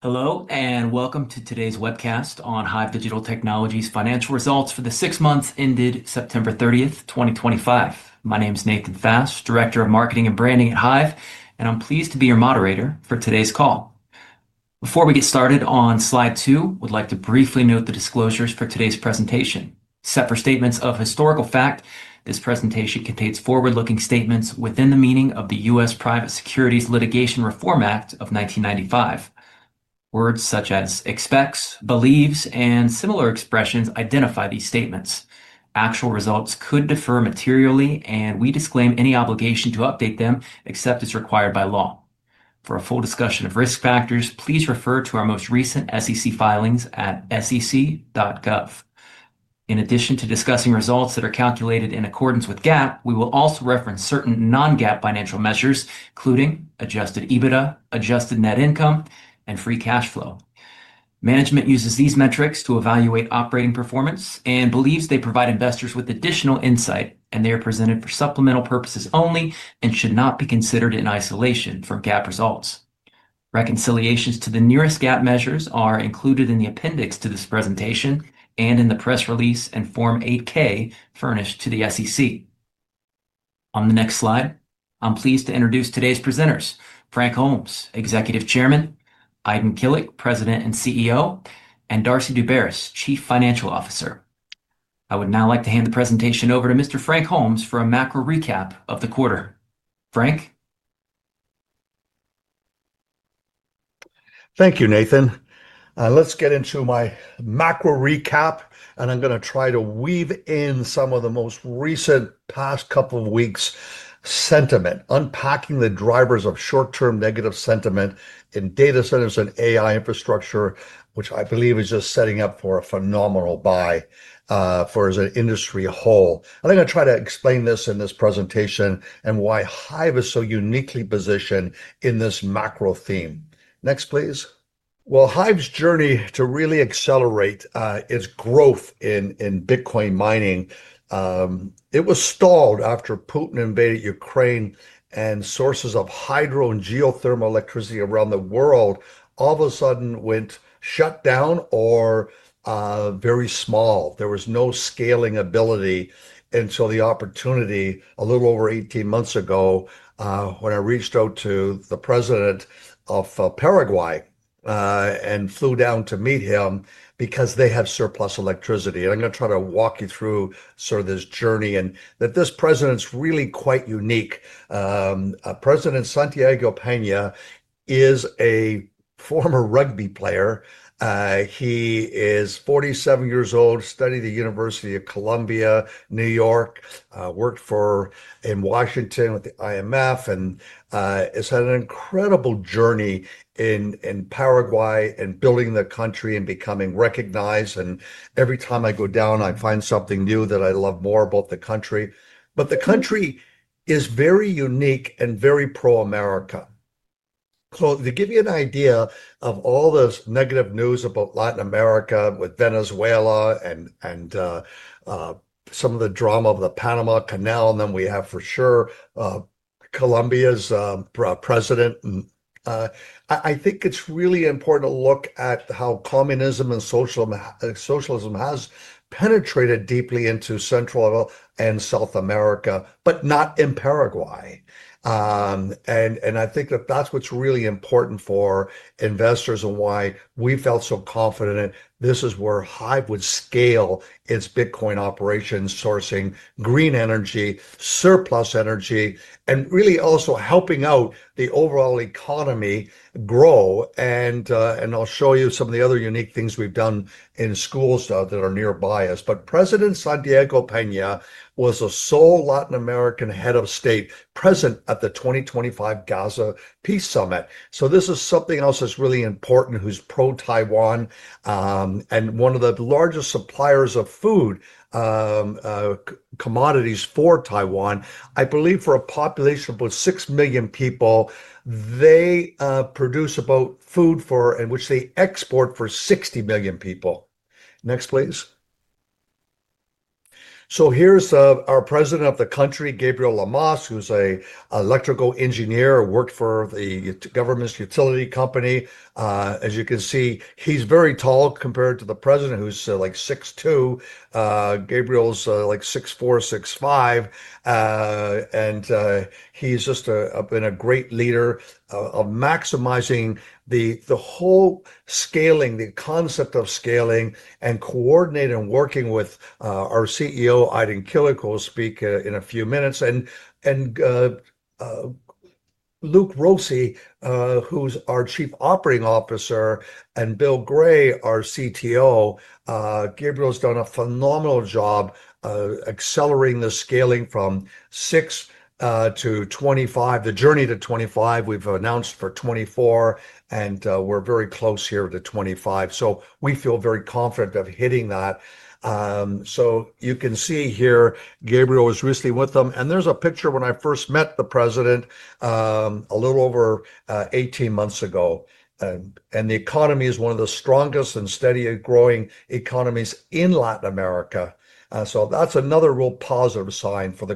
Hello and welcome to today's webcast on HIVE Digital Technologies Financial Results for the six months ended September 30th, 2025. My name is Nathan Fast, Director of Marketing and Branding at HIVE, and I'm pleased to be your moderator for today's call. Before we get started, on slide two, I would like to briefly note the disclosures for today's presentation. Separate statements of historical fact, this presentation contains forward-looking statements within the meaning of the U.S. Private Securities Litigation Reform Act of 1995. Words such as expects, believes, and similar expressions identify these statements. Actual results could differ materially, and we disclaim any obligation to update them except as required by law. For a full discussion of risk factors, please refer to our most recent SEC filings at sec.gov. In addition to discussing results that are calculated in accordance with GAAP, we will also reference certain non-GAAP financial measures, including adjusted EBITDA, adjusted net income, and free cash flow. Management uses these metrics to evaluate operating performance and believes they provide investors with additional insight, and they are presented for supplemental purposes only and should not be considered in isolation from GAAP results. Reconciliations to the nearest GAAP measures are included in the appendix to this presentation and in the press release and Form 8-K furnished to the SEC. On the next slide, I'm pleased to introduce today's presenters: Frank Holmes, Executive Chairman; Aydin Kilic, President and CEO; and Darcy Daubaras, Chief Financial Officer. I would now like to hand the presentation over to Mr. Frank Holmes for a macro recap of the quarter. Frank. Thank you, Nathan. Let's get into my macro recap, and I'm going to try to weave in some of the most recent past couple of weeks' sentiment, unpacking the drivers of short-term negative sentiment in data centers and AI infrastructure, which I believe is just setting up for a phenomenal buy for an industry whole. I'm going to try to explain this in this presentation and why HIVE is so uniquely positioned in this macro theme. Next, please. HIVE's journey to really accelerate its growth in Bitcoin mining, it was stalled after Putin invaded Ukraine and sources of hydro and geothermal electricity around the world all of a sudden went shut down or very small. There was no scaling ability until the opportunity a little over 18 months ago when I reached out to the President of Paraguay and flew down to meet him because they have surplus electricity. I'm going to try to walk you through sort of this journey and that this president's really quite unique. President Santiago Peña is a former rugby player. He is 47 years old, studied at the University of Columbia, New York, worked in Washington with the IMF, and has had an incredible journey in Paraguay and building the country and becoming recognized. Every time I go down, I find something new that I love more about the country. The country is very unique and very pro-America. To give you an idea of all this negative news about Latin America with Venezuela and some of the drama of the Panama Canal, and then we have for sure Colombia's president. I think it's really important to look at how communism and socialism has penetrated deeply into Central and South America, but not in Paraguay. I think that that's what's really important for investors and why we felt so confident this is where HIVE would scale its Bitcoin operations, sourcing green energy, surplus energy, and really also helping out the overall economy grow. I'll show you some of the other unique things we've done in schools that are nearby us. President Santiago Peña was a sole Latin American head of state present at the 2025 Gaza Peace Summit. This is something else that's really important, who's pro-Taiwan and one of the largest suppliers of food commodities for Taiwan. I believe for a population of about 6 million people, they produce about food for and which they export for 60 million people. Next, please. Here's our president of the country, Gabriel Lamas, who's an electrical engineer, worked for the government's utility company. As you can see, he's very tall compared to the president, who's like 6'2". Gabriel's like 6'4", 6'5". And he's just been a great leader of maximizing the whole scaling, the concept of scaling and coordinating and working with our CEO, Aydin Kilic, who will speak in a few minutes. And Luke Rossy, who's our Chief Operating Officer, and Bill Gray, our CTO, Gabriel's done a phenomenal job accelerating the scaling from 6 to 25. The journey to 25, we've announced for 24, and we're very close here to 25. So we feel very confident of hitting that. So you can see here, Gabriel was recently with them. And there's a picture when I first met the president a little over 18 months ago. And the economy is one of the strongest and steadily growing economies in Latin America. So that's another real positive sign for the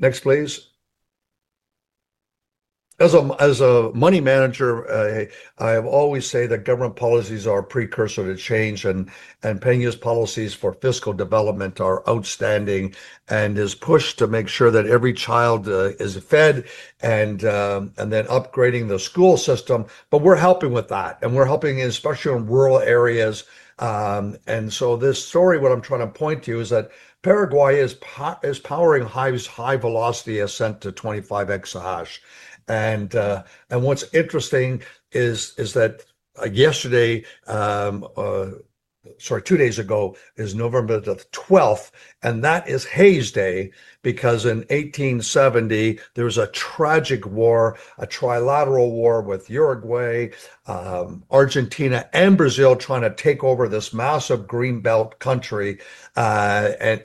country. Next, please. As a money manager, I have always said that government policies are a precursor to change, and Peña's policies for fiscal development are outstanding and his push to make sure that every child is fed and then upgrading the school system. We are helping with that, and we are helping especially in rural areas. This story, what I am trying to point to is that Paraguay is powering HIVE's high-velocity ascent to 25 exahash. What is interesting is that yesterday, sorry, two days ago is November the 12th, and that is Hayes Day because in 1870, there was a tragic war, a trilateral war with Uruguay, Argentina, and Brazil trying to take over this massive green belt country. They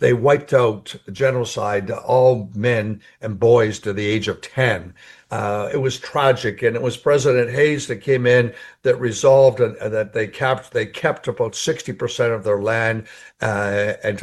wiped out genocide to all men and boys to the age of 10. It was tragic. It was President Hayes that came in that resolved that they kept about 60% of their land. To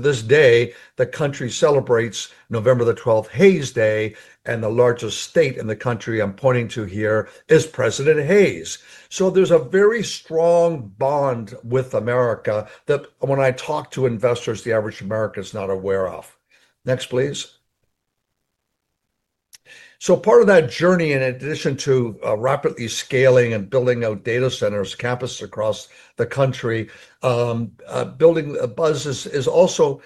this day, the country celebrates November the 12th, Hayes Day, and the largest state in the country I am pointing to here is President Hayes. There is a very strong bond with America that when I talk to investors, the average American is not aware of. Next, please. Part of that journey, in addition to rapidly scaling and building out data centers campus across the country, building a BUZZ is also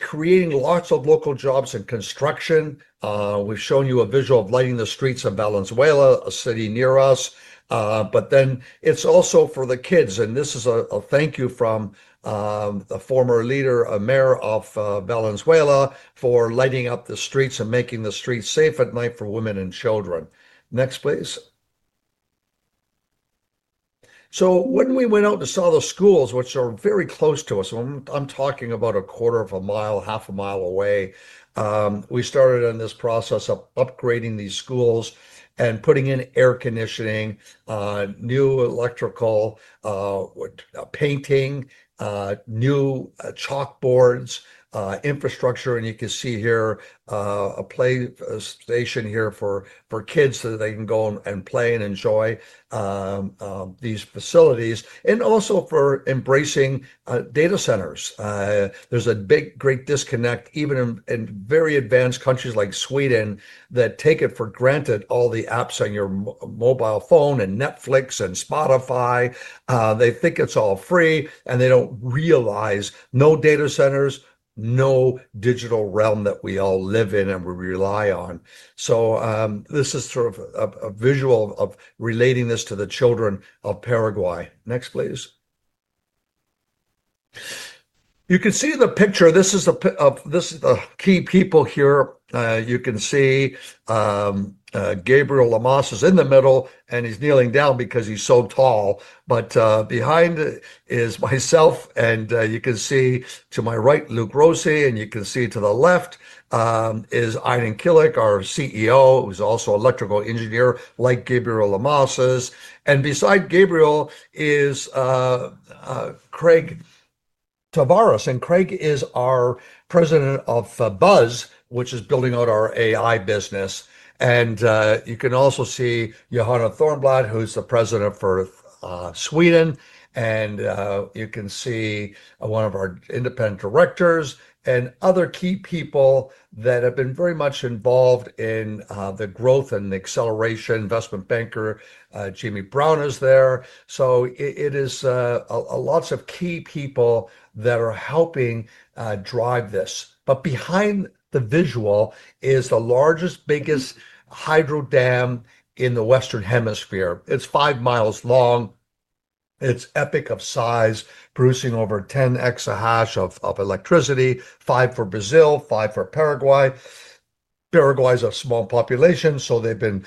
creating lots of local jobs in construction. We have shown you a visual of lighting the streets of Valenzuela, a city near us. It is also for the kids. This is a thank you from the former leader, Mayor of Valenzuela, for lighting up the streets and making the streets safe at night for women and children. Next, please. When we went out and saw the schools, which are very close to us, I'm talking about a quarter of a mile, half a mile away, we started on this process of upgrading these schools and putting in air conditioning, new electrical, painting, new chalkboards, infrastructure. You can see here a play station here for kids so that they can go and play and enjoy these facilities and also for embracing data centers. There's a big great disconnect even in very advanced countries like Sweden that take it for granted, all the apps on your mobile phone and Netflix and Spotify. They think it's all free, and they don't realize no data centers, no digital realm that we all live in and we rely on. This is sort of a visual of relating this to the children of Paraguay. Next, please. You can see the picture. This is the key people here. You can see Gabriel Lamas is in the middle, and he's kneeling down because he's so tall. Behind is myself, and you can see to my right, Luke Rossy, and you can see to the left is Aydin Kilic, our CEO, who's also an electrical engineer like Gabriel Lamas is. Beside Gabriel is Craig Tavares, and Craig is our President of BUZZ, which is building out our AI business. You can also see Johanna Thörnblad, who's the President for Sweden. You can see one of our independent directors and other key people that have been very much involved in the growth and the acceleration. Investment banker Jimmy Brown is there. It is lots of key people that are helping drive this. Behind the visual is the largest, biggest hydro dam in the Western Hemisphere. It is five miles long. It is epic of size, producing over 10 exahash of electricity, five for Brazil, five for Paraguay. Paraguay is a small population, so they have been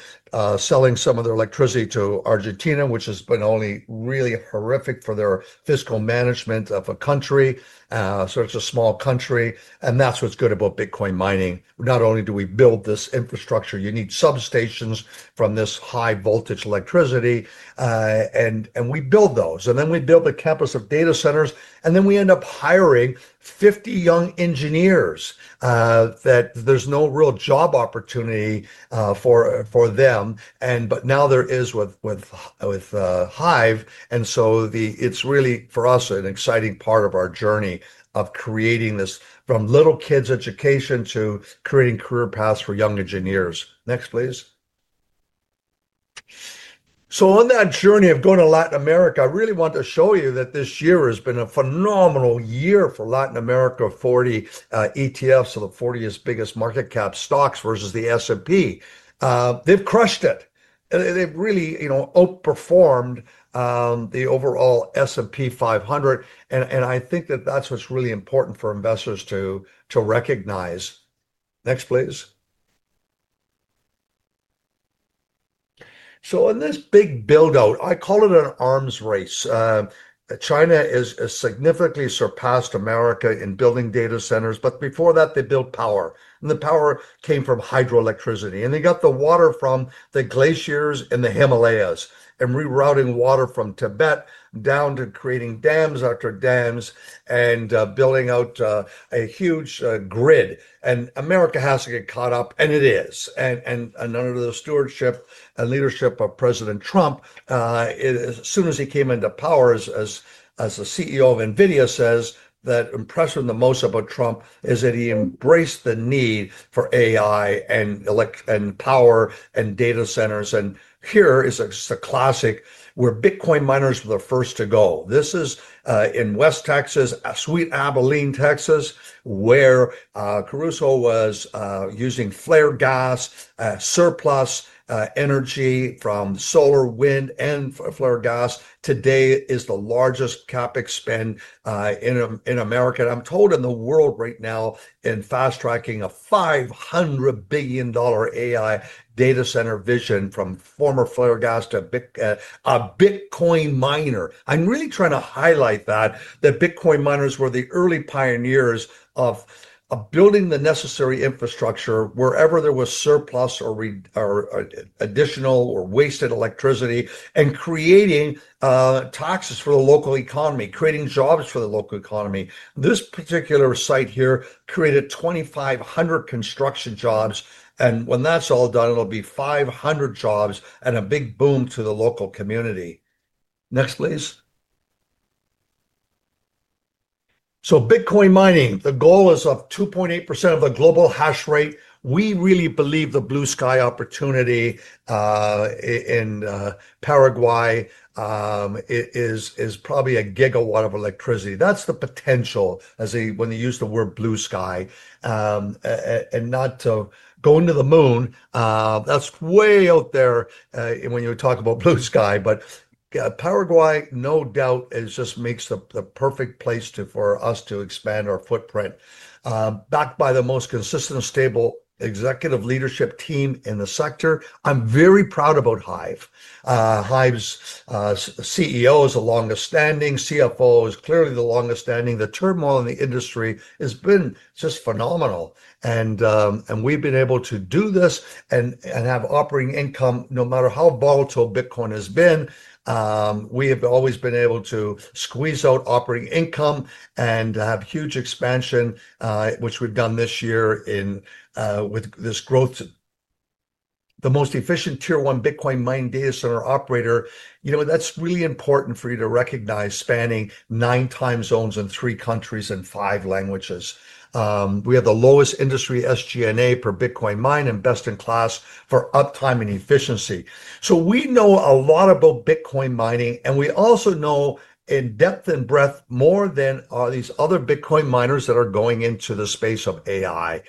selling some of their electricity to Argentina, which has been only really horrific for their fiscal management of a country. It is a small country. That is what is good about Bitcoin mining. Not only do we build this infrastructure, you need substations from this high voltage electricity. We build those. Then we build a campus of data centers, and then we end up hiring 50 young engineers that there is no real job opportunity for them. Now there is with HIVE. It is really for us an exciting part of our journey of creating this from little kids' education to creating career paths for young engineers. Next, please. On that journey of going to Latin America, I really want to show you that this year has been a phenomenal year for Latin America 40 ETFs, so the 40th biggest market cap stocks versus the S&P. They have crushed it. They have really outperformed the overall S&P 500. I think that is what is really important for investors to recognize. Next, please. In this big buildout, I call it an arms race. China has significantly surpassed America in building data centers. Before that, they built power. The power came from hydroelectricity. They got the water from the glaciers in the Himalayas and rerouting water from Tibet down to creating dams after dams and building out a huge grid. America has to get caught up, and it is. Under the stewardship and leadership of President Trump, as soon as he came into power, as the CEO of NVIDIA says, that impressed him the most about Trump is that he embraced the need for AI and power and data centers. Here is a classic where Bitcoin miners were the first to go. This is in West Texas, Sweet Abilene, Texas, where Crusoe was using flare gas, surplus energy from solar, wind, and flare gas. Today is the largest CapEx spend in America. I'm told in the world right now in fast tracking a $500 billion AI data center vision from former flare gas to a Bitcoin miner. I'm really trying to highlight that the Bitcoin miners were the early pioneers of building the necessary infrastructure wherever there was surplus or additional or wasted electricity and creating taxes for the local economy, creating jobs for the local economy. This particular site here created 2,500 construction jobs. When that's all done, it'll be 500 jobs and a big boom to the local community. Next, please. Bitcoin mining, the goal is of 2.8% of the global hash rate. We really believe the blue sky opportunity in Paraguay is probably a gigawatt of electricity. That's the potential when they use the word blue sky. Not to go into the moon, that's way out there when you talk about blue sky. Paraguay, no doubt, just makes the perfect place for us to expand our footprint. Backed by the most consistent and stable executive leadership team in the sector, I'm very proud about HIVE. HIVE's CEO is the longest standing. CFO is clearly the longest standing. The turmoil in the industry has been just phenomenal. We have been able to do this and have operating income no matter how volatile Bitcoin has been. We have always been able to squeeze out operating income and have huge expansion, which we've done this year with this growth. The most efficient tier one Bitcoin mine data center operator, you know that's really important for you to recognize spanning nine time zones in three countries and five languages. We have the lowest industry SG&A per Bitcoin mine and best in class for uptime and efficiency. We know a lot about Bitcoin mining, and we also know in depth and breadth more than these other Bitcoin miners that are going into the space of AI.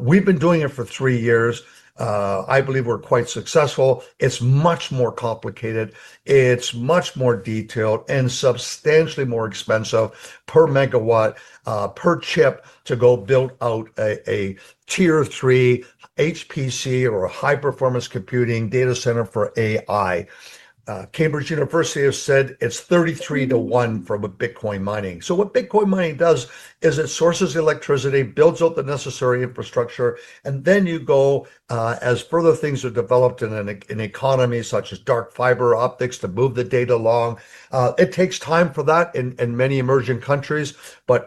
We've been doing it for three years. I believe we're quite successful. It's much more complicated. It's much more detailed and substantially more expensive per megawatt, per chip to go build out a tier three HPC or high-performance computing data center for AI. Cambridge University has said it's 33 to 1 from a Bitcoin mining. What Bitcoin mining does is it sources electricity, builds out the necessary infrastructure, and then you go as further things are developed in an economy such as dark fiber optics to move the data along. It takes time for that in many emerging countries.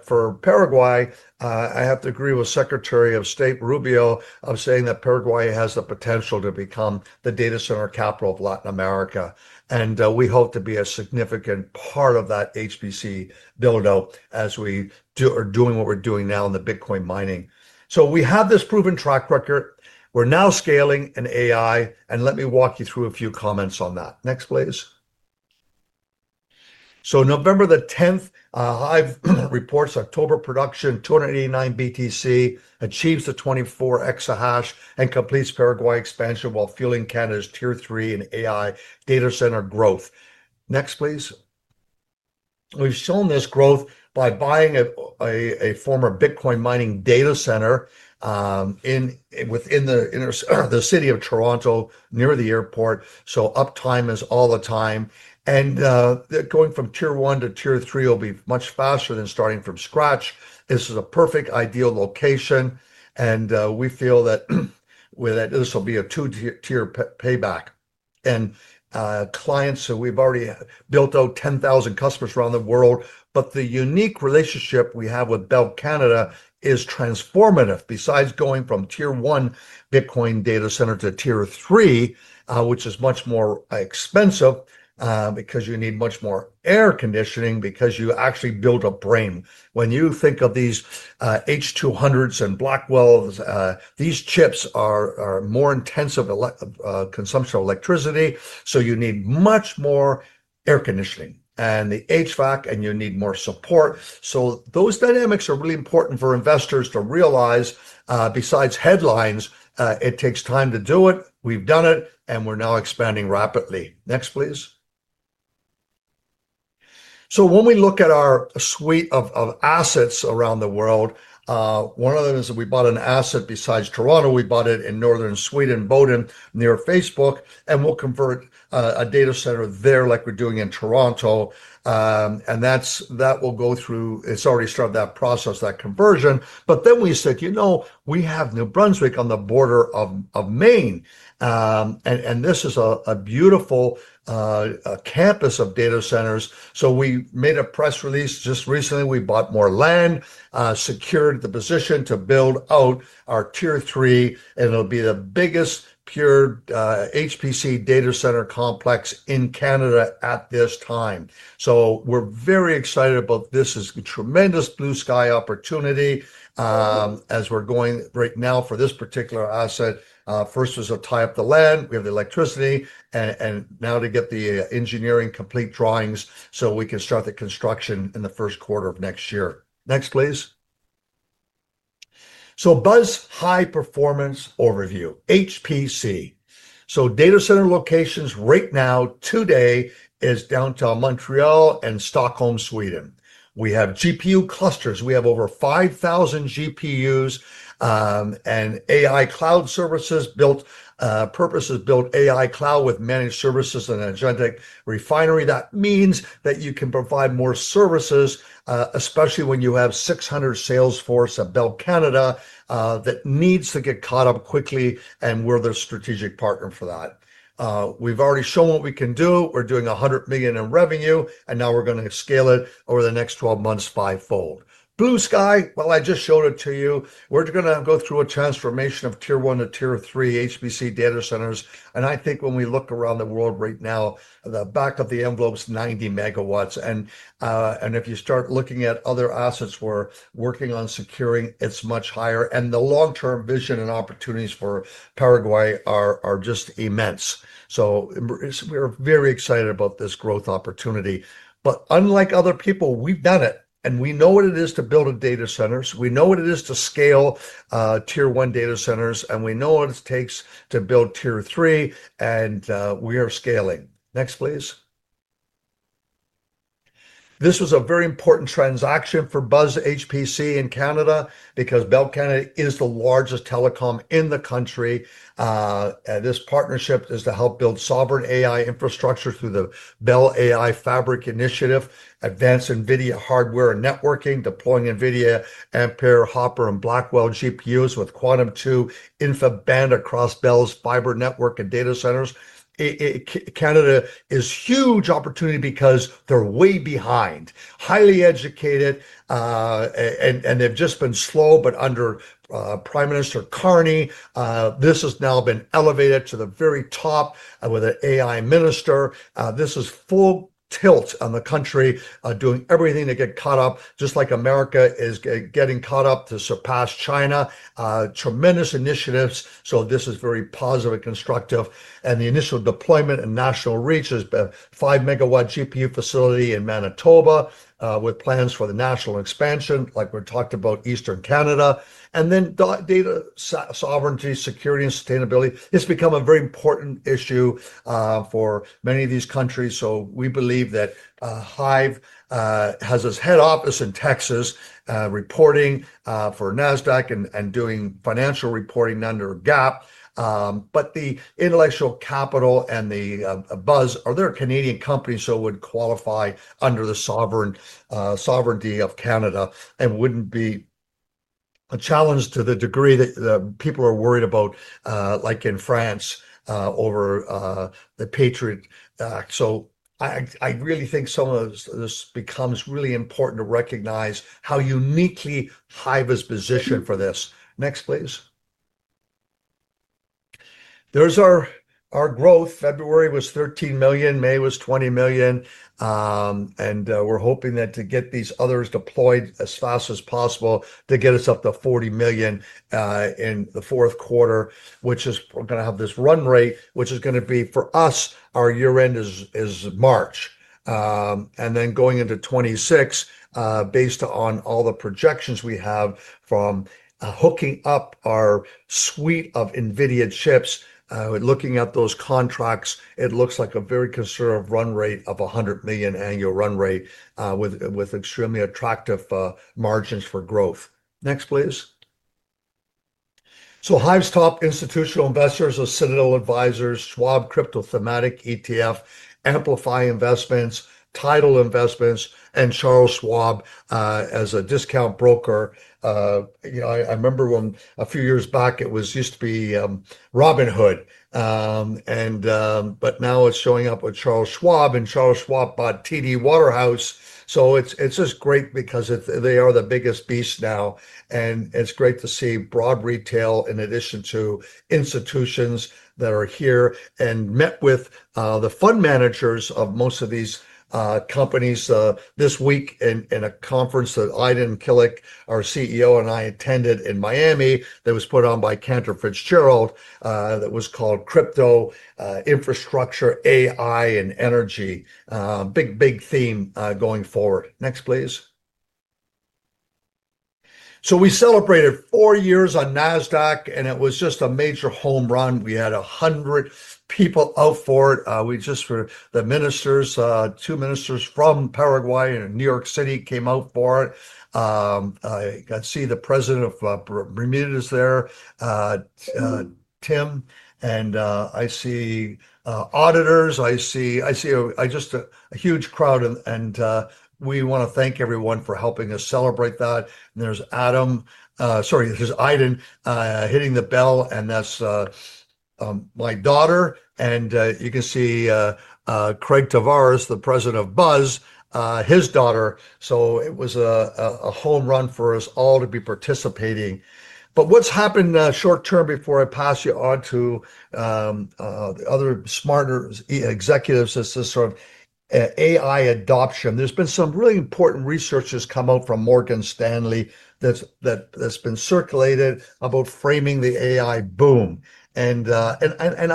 For Paraguay, I have to agree with Secretary of State Rubio of saying that Paraguay has the potential to become the data center capital of Latin America. We hope to be a significant part of that HPC buildout as we are doing what we're doing now in the Bitcoin mining. We have this proven track record. We're now scaling in AI. Let me walk you through a few comments on that. Next, please. November the 10th, HIVE reports October production 289 BTC, achieves the 24 exahash and completes Paraguay expansion while fueling Canada's tier three and AI data center growth. Next, please. We've shown this growth by buying a former Bitcoin mining data center within the city of Toronto near the airport. Uptime is all the time. Going from tier one to tier three will be much faster than starting from scratch. This is a perfect ideal location. We feel that this will be a two-tier payback. Clients, we've already built out 10,000 customers around the world. The unique relationship we have with Bell Canada is transformative. Besides going from tier one Bitcoin data center to tier three, which is much more expensive because you need much more air conditioning, because you actually build a brain. When you think of these H200s and Blackwells, these chips are more intensive consumption of electricity. You need much more air conditioning and the HVAC, and you need more support. Those dynamics are really important for investors to realize. Besides headlines, it takes time to do it. We've done it, and we're now expanding rapidly. Next, please. When we look at our suite of assets around the world, one of them is that we bought an asset besides Toronto. We bought it in northern Sweden, Boden, near Facebook. We will convert a data center there like we are doing in Toronto. That will go through. It has already started that process, that conversion. We said, you know, we have New Brunswick on the border of Maine. This is a beautiful campus of data centers. We made a press release just recently. We bought more land, secured the position to build out our tier three. It will be the biggest pure HPC data center complex in Canada at this time. We are very excited about this. It is a tremendous blue sky opportunity as we are going right now for this particular asset. First is to tie up the land. We have the electricity. Now to get the engineering complete drawings so we can start the construction in the first quarter of next year. Next, please. BUZZ high performance overview, HPC. Data center locations right now today are downtown Montreal and Stockholm, Sweden. We have GPU clusters. We have over 5,000 GPUs and AI cloud services, purpose-built AI cloud with managed services and energetic refinery. That means that you can provide more services, especially when you have 600 sales force of Bell Canada that needs to get caught up quickly and we're their strategic partner for that. We've already shown what we can do. We're doing $100 million in revenue. Now we're going to scale it over the next 12 months fivefold. Blue sky, I just showed it to you. We're going to go through a transformation of tier one to tier three HPC data centers. I think when we look around the world right now, the back of the envelope is 90 MW. If you start looking at other assets, we're working on securing, it's much higher. The long-term vision and opportunities for Paraguay are just immense. We are very excited about this growth opportunity. Unlike other people, we've done it. We know what it is to build a data center. We know what it is to scale tier one data centers. We know what it takes to build tier three. We are scaling. Next, please. This was a very important transaction for BUZZ HPC in Canada because Bell Canada is the largest telecom in the country. This partnership is to help build sovereign AI infrastructure through the Bell AI Fabric initiative, advance NVIDIA hardware and networking, deploying NVIDIA Ampere, Hopper, and Blackwell GPUs with Quantum II InfiniBand across Bell's fiber network and data centers. Canada is a huge opportunity because they're way behind, highly educated, and they've just been slow. Under Prime Minister Carney, this has now been elevated to the very top with an AI minister. This is full tilt on the country doing everything to get caught up, just like America is getting caught up to surpass China. Tremendous initiatives. This is very positive and constructive. The initial deployment and national reach is a 5 MW GPU facility in Manitoba with plans for the national expansion, like we've talked about, Eastern Canada. Data sovereignty, security, and sustainability has become a very important issue for many of these countries. We believe that HIVE has its head office in Texas reporting for Nasdaq and doing financial reporting under GAAP. But the intellectual capital and the BUZZ are there. Canadian companies who would qualify under the sovereignty of Canada and would not be a challenge to the degree that people are worried about, like in France over the Patriot Act. I really think some of this becomes really important to recognize how uniquely HIVE is positioned for this. Next, please. There is our growth. February was $13 million. May was $20 million. We are hoping to get these others deployed as fast as possible to get us up to $40 million in the fourth quarter, which is, we are going to have this run rate, which is going to be for us, our year-end is March. Then going into 2026, based on all the projections we have from hooking up our suite of NVIDIA chips, looking at those contracts, it looks like a very conservative run rate of $100 million annual run rate with extremely attractive margins for growth. Next, please. HIVE's top institutional investors are Citadel Advisors, Schwab Crypto Thematic ETF, Amplify Investments, Tidal Investments, and Charles Schwab as a discount broker. You know, I remember when a few years back it used to be Robinhood. But now it's showing up with Charles Schwab. And Charles Schwab bought TD Waterhouse. It's just great because they are the biggest beast now. It is great to see broad retail in addition to institutions that are here and met with the fund managers of most of these companies this week in a conference that Aydin Kilic, our CEO, and I attended in Miami that was put on by Cantor Fitzgerald that was called Crypto Infrastructure, AI, and Energy. Big, big theme going forward. Next, please. We celebrated four years on Nasdaq, and it was just a major home run. We had 100 people out for it. We just for the ministers, two ministers from Paraguay and New York City came out for it. I see the president of Bermuda is there, Tim. I see auditors. I see just a huge crowd. We want to thank everyone for helping us celebrate that. There is Aydin hitting the bell. That is my daughter. You can see Craig Tavares, the President of BUZZ, his daughter. It was a home run for us all to be participating. What has happened short term before I pass you on to the other smarter executives is this sort of AI adoption. There has been some really important research that has come out from Morgan Stanley that has been circulated about framing the AI boom. I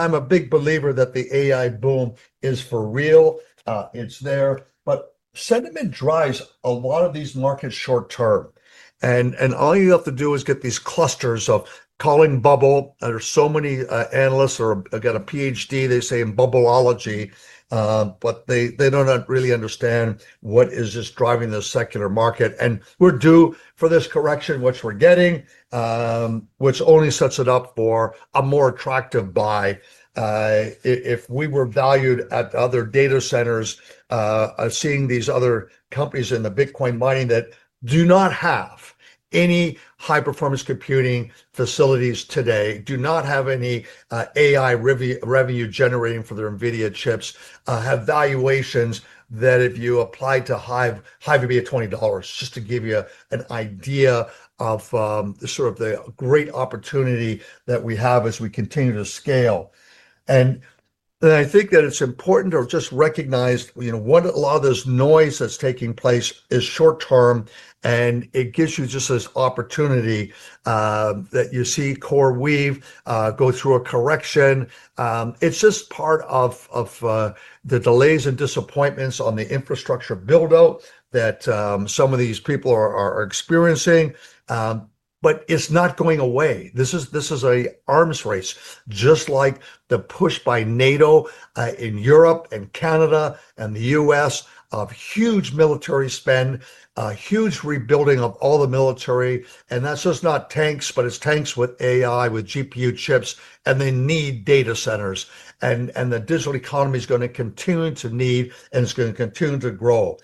am a big believer that the AI boom is for real. It is there. Sentiment drives a lot of these markets short term. All you have to do is get these clusters of calling bubble. There are so many analysts who have got a PhD, they say, in bubbleology. They do not really understand what is just driving the secular market. We are due for this correction, which we are getting, which only sets it up for a more attractive buy. If we were valued at other data centers, seeing these other companies in the Bitcoin mining that do not have any high-performance computing facilities today, do not have any AI revenue generating for their NVIDIA chips, have valuations that if you apply to HIVE, HIVE would be $20, just to give you an idea of sort of the great opportunity that we have as we continue to scale. I think that it's important to just recognize what a lot of this noise that's taking place is short term. It gives you just this opportunity that you see CoreWeave go through a correction. It's just part of the delays and disappointments on the infrastructure buildout that some of these people are experiencing. It's not going away. This is an arms race, just like the push by NATO in Europe and Canada and the U.S. of huge military spend, huge rebuilding of all the military. That is just not tanks, but it is tanks with AI, with GPU chips. They need data centers. The digital economy is going to continue to need, and it is going to continue to grow.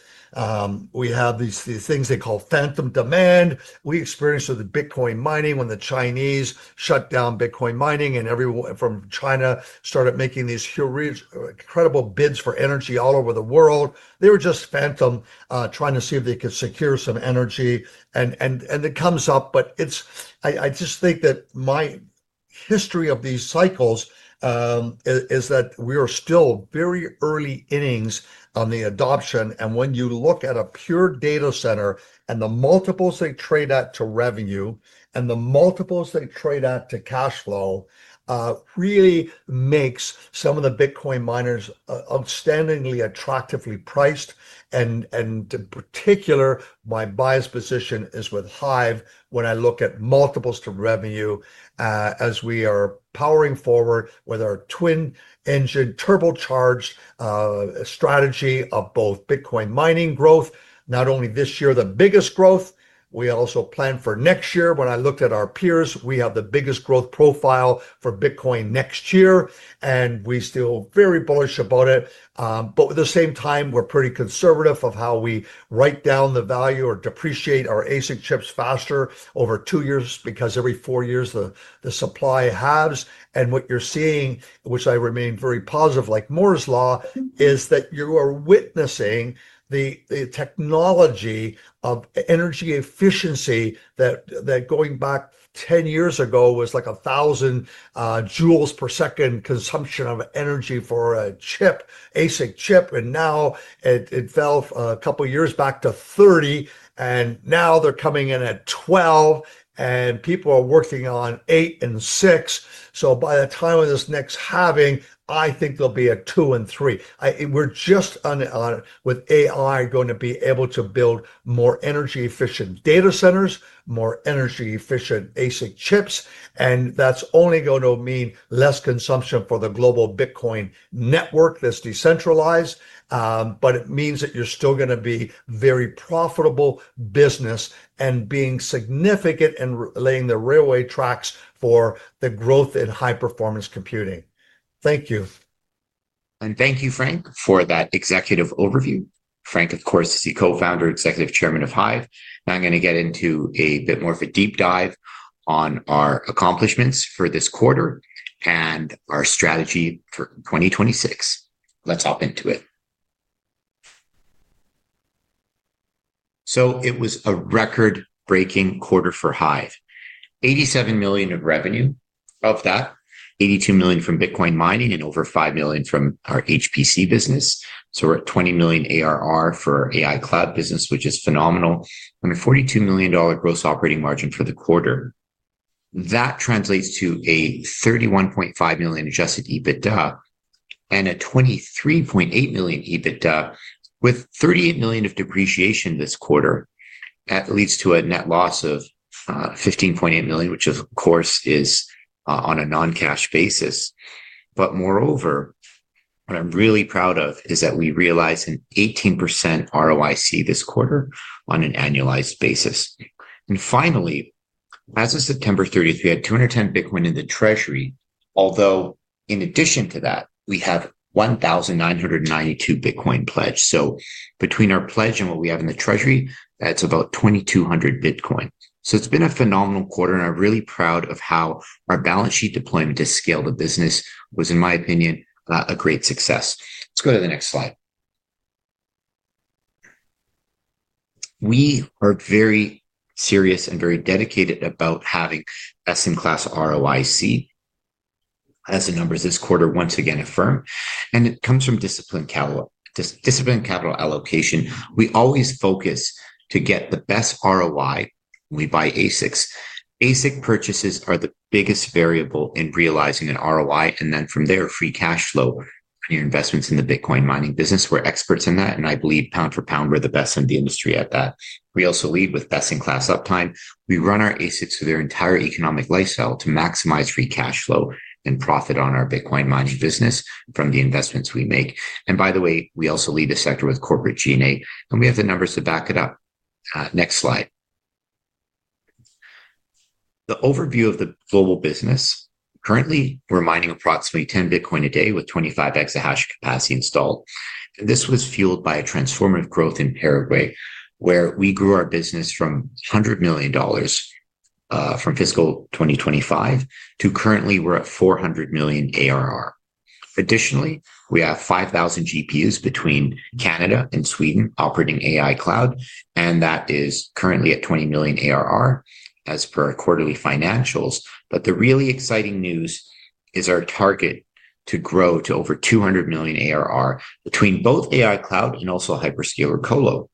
We have these things they call phantom demand. We experienced with the Bitcoin mining when the Chinese shut down Bitcoin mining, and everyone from China started making these incredible bids for energy all over the world. They were just phantom trying to see if they could secure some energy. It comes up. I just think that my history of these cycles is that we are still very early innings on the adoption. When you look at a pure data center and the multiples they trade out to revenue and the multiples they trade out to cash flow, it really makes some of the Bitcoin miners outstandingly attractively priced. In particular, my bias position is with HIVE when I look at multiples to revenue as we are powering forward with our twin engine turbocharged strategy of both Bitcoin mining growth, not only this year the biggest growth. We also plan for next year. When I looked at our peers, we have the biggest growth profile for Bitcoin next year. We are still very bullish about it. At the same time, we are pretty conservative in how we write down the value or depreciate our ASIC chips faster over two years because every four years the supply halves. What you're seeing, which I remain very positive like Moore's Law, is that you are witnessing the technology of energy efficiency that going back 10 years ago was like 1,000 joules per second consumption of energy for a chip, ASIC chip. Now it fell a couple of years back to 30. Now they're coming in at 12. People are working on 8 and 6. By the time of this next halving, I think there will be a 2 and 3. We're just on with AI going to be able to build more energy-efficient data centers, more energy-efficient ASIC chips. That's only going to mean less consumption for the global Bitcoin network that's decentralized. It means that you're still going to be a very profitable business and being significant in laying the railway tracks for the growth in high-performance computing. Thank you. Thank you, Frank, for that executive overview. Frank, of course, is the co-founder, Executive Chairman of HIVE. Now I'm going to get into a bit more of a deep dive on our accomplishments for this quarter and our strategy for 2026. Let's hop into it. It was a record-breaking quarter for HIVE. $87 million of revenue, of that, $82 million from Bitcoin mining and over $5 million from our HPC business. We're at $20 million ARR for our AI cloud business, which is phenomenal. And a $42 million gross operating margin for the quarter. That translates to a $31.5 million adjusted EBITDA and a $23.8 million EBITDA with $38 million of depreciation this quarter. That leads to a net loss of $15.8 million, which of course is on a non-cash basis. Moreover, what I'm really proud of is that we realized an 18% ROIC this quarter on an annualized basis. Finally, as of September 30th, we had 210 Bitcoin in the treasury, although in addition to that, we have 1,992 Bitcoin pledged. Between our pledge and what we have in the treasury, that's about 2,200 Bitcoin. It's been a phenomenal quarter. I'm really proud of how our balance sheet deployment has scaled the business, which was, in my opinion, a great success. Let's go to the next slide. We are very serious and very dedicated about having best-in-class ROIC, as the numbers this quarter once again affirm. It comes from discipline capital allocation. We always focus to get the best ROI when we buy ASICs. ASIC purchases are the biggest variable in realizing an ROI. From there, free cash flow and your investments in the Bitcoin mining business. We're experts in that. I believe pound for pound, we're the best in the industry at that. We also lead with best-in-class uptime. We run our ASICs through their entire economic lifecycle to maximize free cash flow and profit on our Bitcoin mining business from the investments we make. By the way, we also lead a sector with corporate G&A. We have the numbers to back it up. Next slide. The overview of the global business. Currently, we're mining approximately 10 Bitcoin a day with 25 exahash capacity installed. This was fueled by a transformative growth in Paraguay, where we grew our business from $100 million from fiscal 2025 to currently we're at $400 million ARR. Additionally, we have 5,000 GPUs between Canada and Sweden operating AI cloud. That is currently at $20 million ARR as per quarterly financials. The really exciting news is our target to grow to over $200 million ARR between both AI cloud and also hyperscaler colo.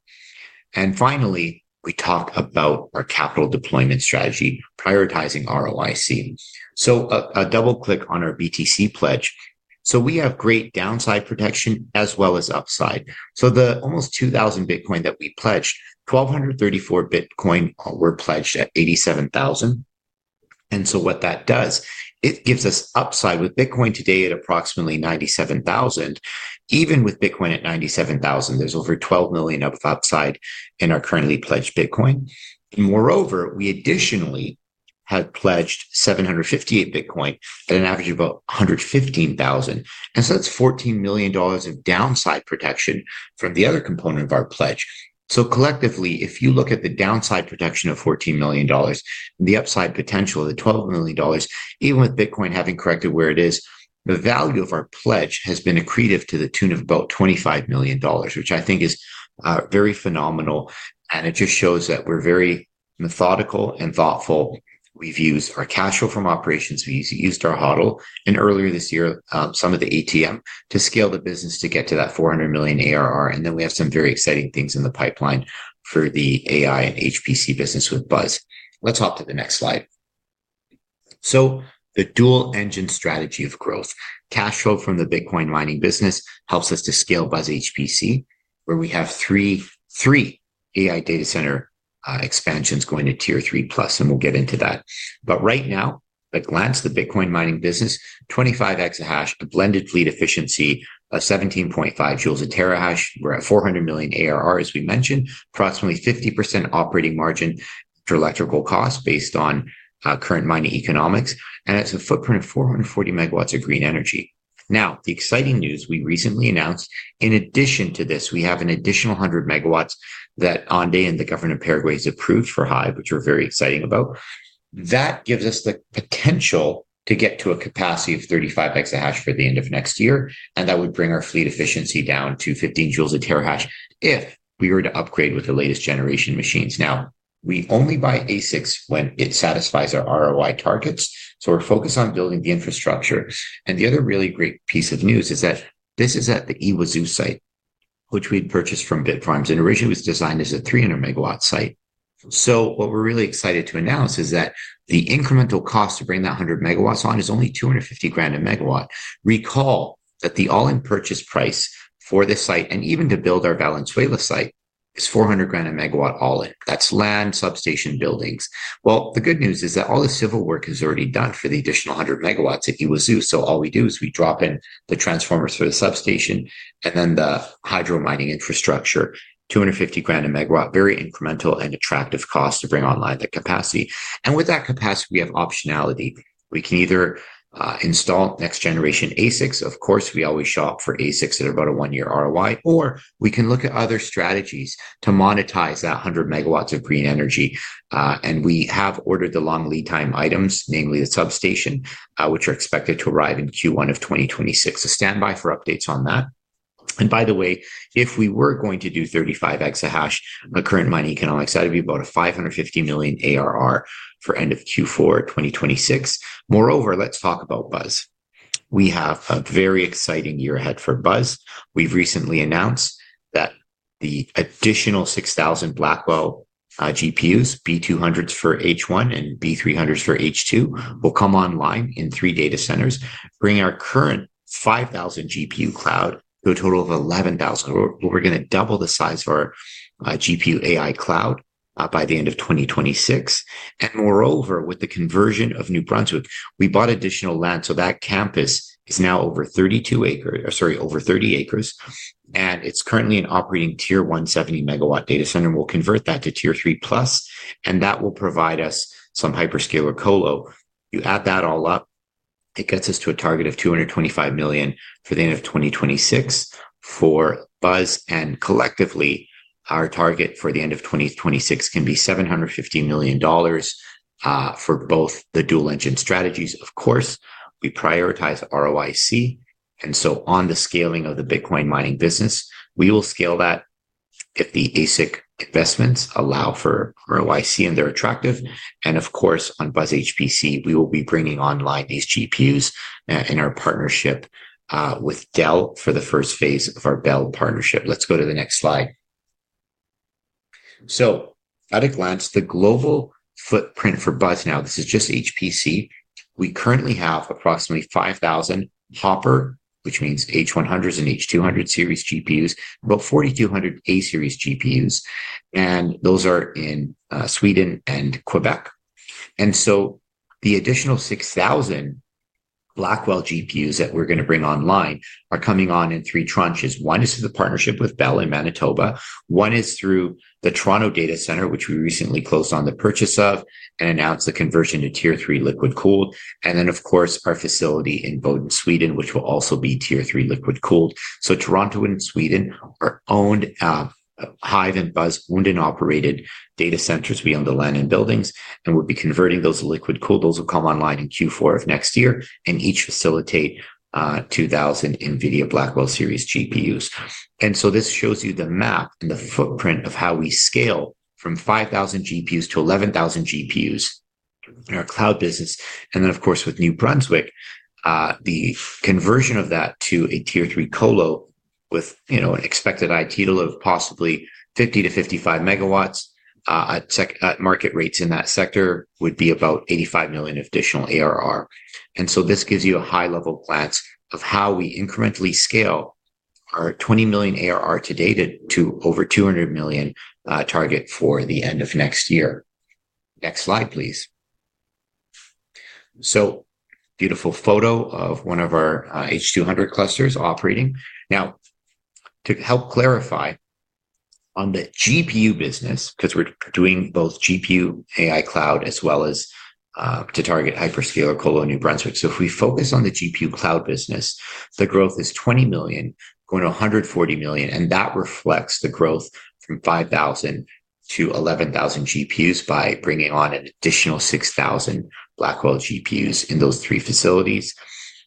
Finally, we talk about our capital deployment strategy, prioritizing ROIC. A double click on our BTC pledge. We have great downside protection as well as upside. The almost 2,000 Bitcoin that we pledged, 1,234 Bitcoin were pledged at $87,000. What that does, it gives us upside with Bitcoin today at approximately $97,000. Even with Bitcoin at $97,000, there is over $12 million of upside in our currently pledged Bitcoin. Moreover, we additionally had pledged 758 Bitcoin at an average of about $115,000. That is $14 million of downside protection from the other component of our pledge. Collectively, if you look at the downside protection of $14 million, the upside potential of the $12 million, even with Bitcoin having corrected where it is, the value of our pledge has been accretive to the tune of about $25 million, which I think is very phenomenal. It just shows that we're very methodical and thoughtful. We've used our cash flow from operations. We've used our HODL. Earlier this year, some of the ATM to scale the business to get to that $400 million ARR. We have some very exciting things in the pipeline for the AI and HPC business with BUZZ. Let's hop to the next slide. The dual engine strategy of growth. Cash flow from the Bitcoin mining business helps us to scale BUZZ HPC, where we have three AI data center expansions going to tier three plus. We'll get into that. Right now, at a glance, the Bitcoin mining business, 25 exahash, a blended fleet efficiency of 17.5 joules a terahash. We're at $400 million ARR, as we mentioned, approximately 50% operating margin for electrical costs based on current mining economics. It's a footprint of 440 MW of green energy. The exciting news we recently announced, in addition to this, we have an additional 100 MW that ANDE and the government of Paraguay has approved for HIVE, which we're very excited about. That gives us the potential to get to a capacity of 35 exahash for the end of next year. That would bring our fleet efficiency down to 15 joules a terahash if we were to upgrade with the latest generation machines. We only buy ASICs when it satisfies our ROI targets. We're focused on building the infrastructure. The other really great piece of news is that this is at the Yguazú site, which we purchased from Bitfarms. Originally, it was designed as a 300 MW site. What we are really excited to announce is that the incremental cost to bring that 100 MW on is only $250,000 a megawatt. Recall that the all-in purchase price for this site and even to build our Valenzuela site is $400,000 a megawatt all-in. That is land, substation, buildings. The good news is that all the civil work is already done for the additional 100 MW at Yguazú. All we do is we drop in the transformers for the substation and then the hydro mining infrastructure, $250,000 a megawatt, very incremental and attractive cost to bring online that capacity. With that capacity, we have optionality. We can either install next-generation ASICs. Of course, we always shop for ASICs at about a one-year ROI. Or we can look at other strategies to monetize that 100 MW of green energy. We have ordered the long lead time items, namely the substation, which are expected to arrive in Q1 of 2026. Stand by for updates on that. By the way, if we were going to do 35 exahash on the current mining economics, that would be about a $550 million ARR for end of Q4 2026. Moreover, let's talk about BUZZ. We have a very exciting year ahead for BUZZ. We've recently announced that the additional 6,000 Blackwell GPUs, B200s for H1 and B300s for H2, will come online in three data centers, bringing our current 5,000 GPU cloud to a total of 11,000. We're going to double the size of our GPU AI cloud by the end of 2026. Moreover, with the conversion of New Brunswick, we bought additional land. That campus is now over 30 acres. It is currently an operating tier one 70 MW data center. We will convert that to tier three plus. That will provide us some hyperscaler colo. You add that all up, it gets us to a target of $225 million for the end of 2026 for BUZZ. Collectively, our target for the end of 2026 can be $750 million for both the dual engine strategies. Of course, we prioritize ROIC. On the scaling of the Bitcoin mining business, we will scale that if the ASIC investments allow for ROIC and they are attractive. On BUZZ HPC, we will be bringing online these GPUs in our partnership with Dell for the first phase of our Dell partnership. Let's go to the next slide. At a glance, the global footprint for BUZZ now, this is just HPC. We currently have approximately 5,000 Hopper, which means H100s and H200 series GPUs, about 4,200 A-series GPUs. Those are in Sweden and Quebec. The additional 6,000 Blackwell GPUs that we're going to bring online are coming on in three tranches. One is through the partnership with Bell in Manitoba. One is through the Toronto data center, which we recently closed on the purchase of and announced the conversion to tier three liquid cooled. Of course, our facility in Boden, Sweden, will also be tier three liquid cooled. Toronto and Sweden are owned HIVE and BUZZ owned and operated data centers. We own the land and buildings. We'll be converting those to liquid cooled. Those will come online in Q4 of next year and each facilitate 2,000 NVIDIA Blackwell series GPUs. This shows you the map and the footprint of how we scale from 5,000 GPUs to 11,000 GPUs in our cloud business. Of course, with New Brunswick, the conversion of that to a tier three colo with an expected ITL of possibly 50 MW-55 MW at market rates in that sector would be about $85 million additional ARR. This gives you a high-level glance of how we incrementally scale our $20 million ARR today to over $200 million target for the end of next year. Next slide, please. Beautiful photo of one of our H200 clusters operating. Now, to help clarify on the GPU business, because we're doing both GPU AI cloud as well as to target hyperscaler colo New Brunswick. If we focus on the GPU cloud business, the growth is $20 million, going to $140 million. That reflects the growth from 5,000-11,000 GPUs by bringing on an additional 6,000 Blackwell GPUs in those three facilities.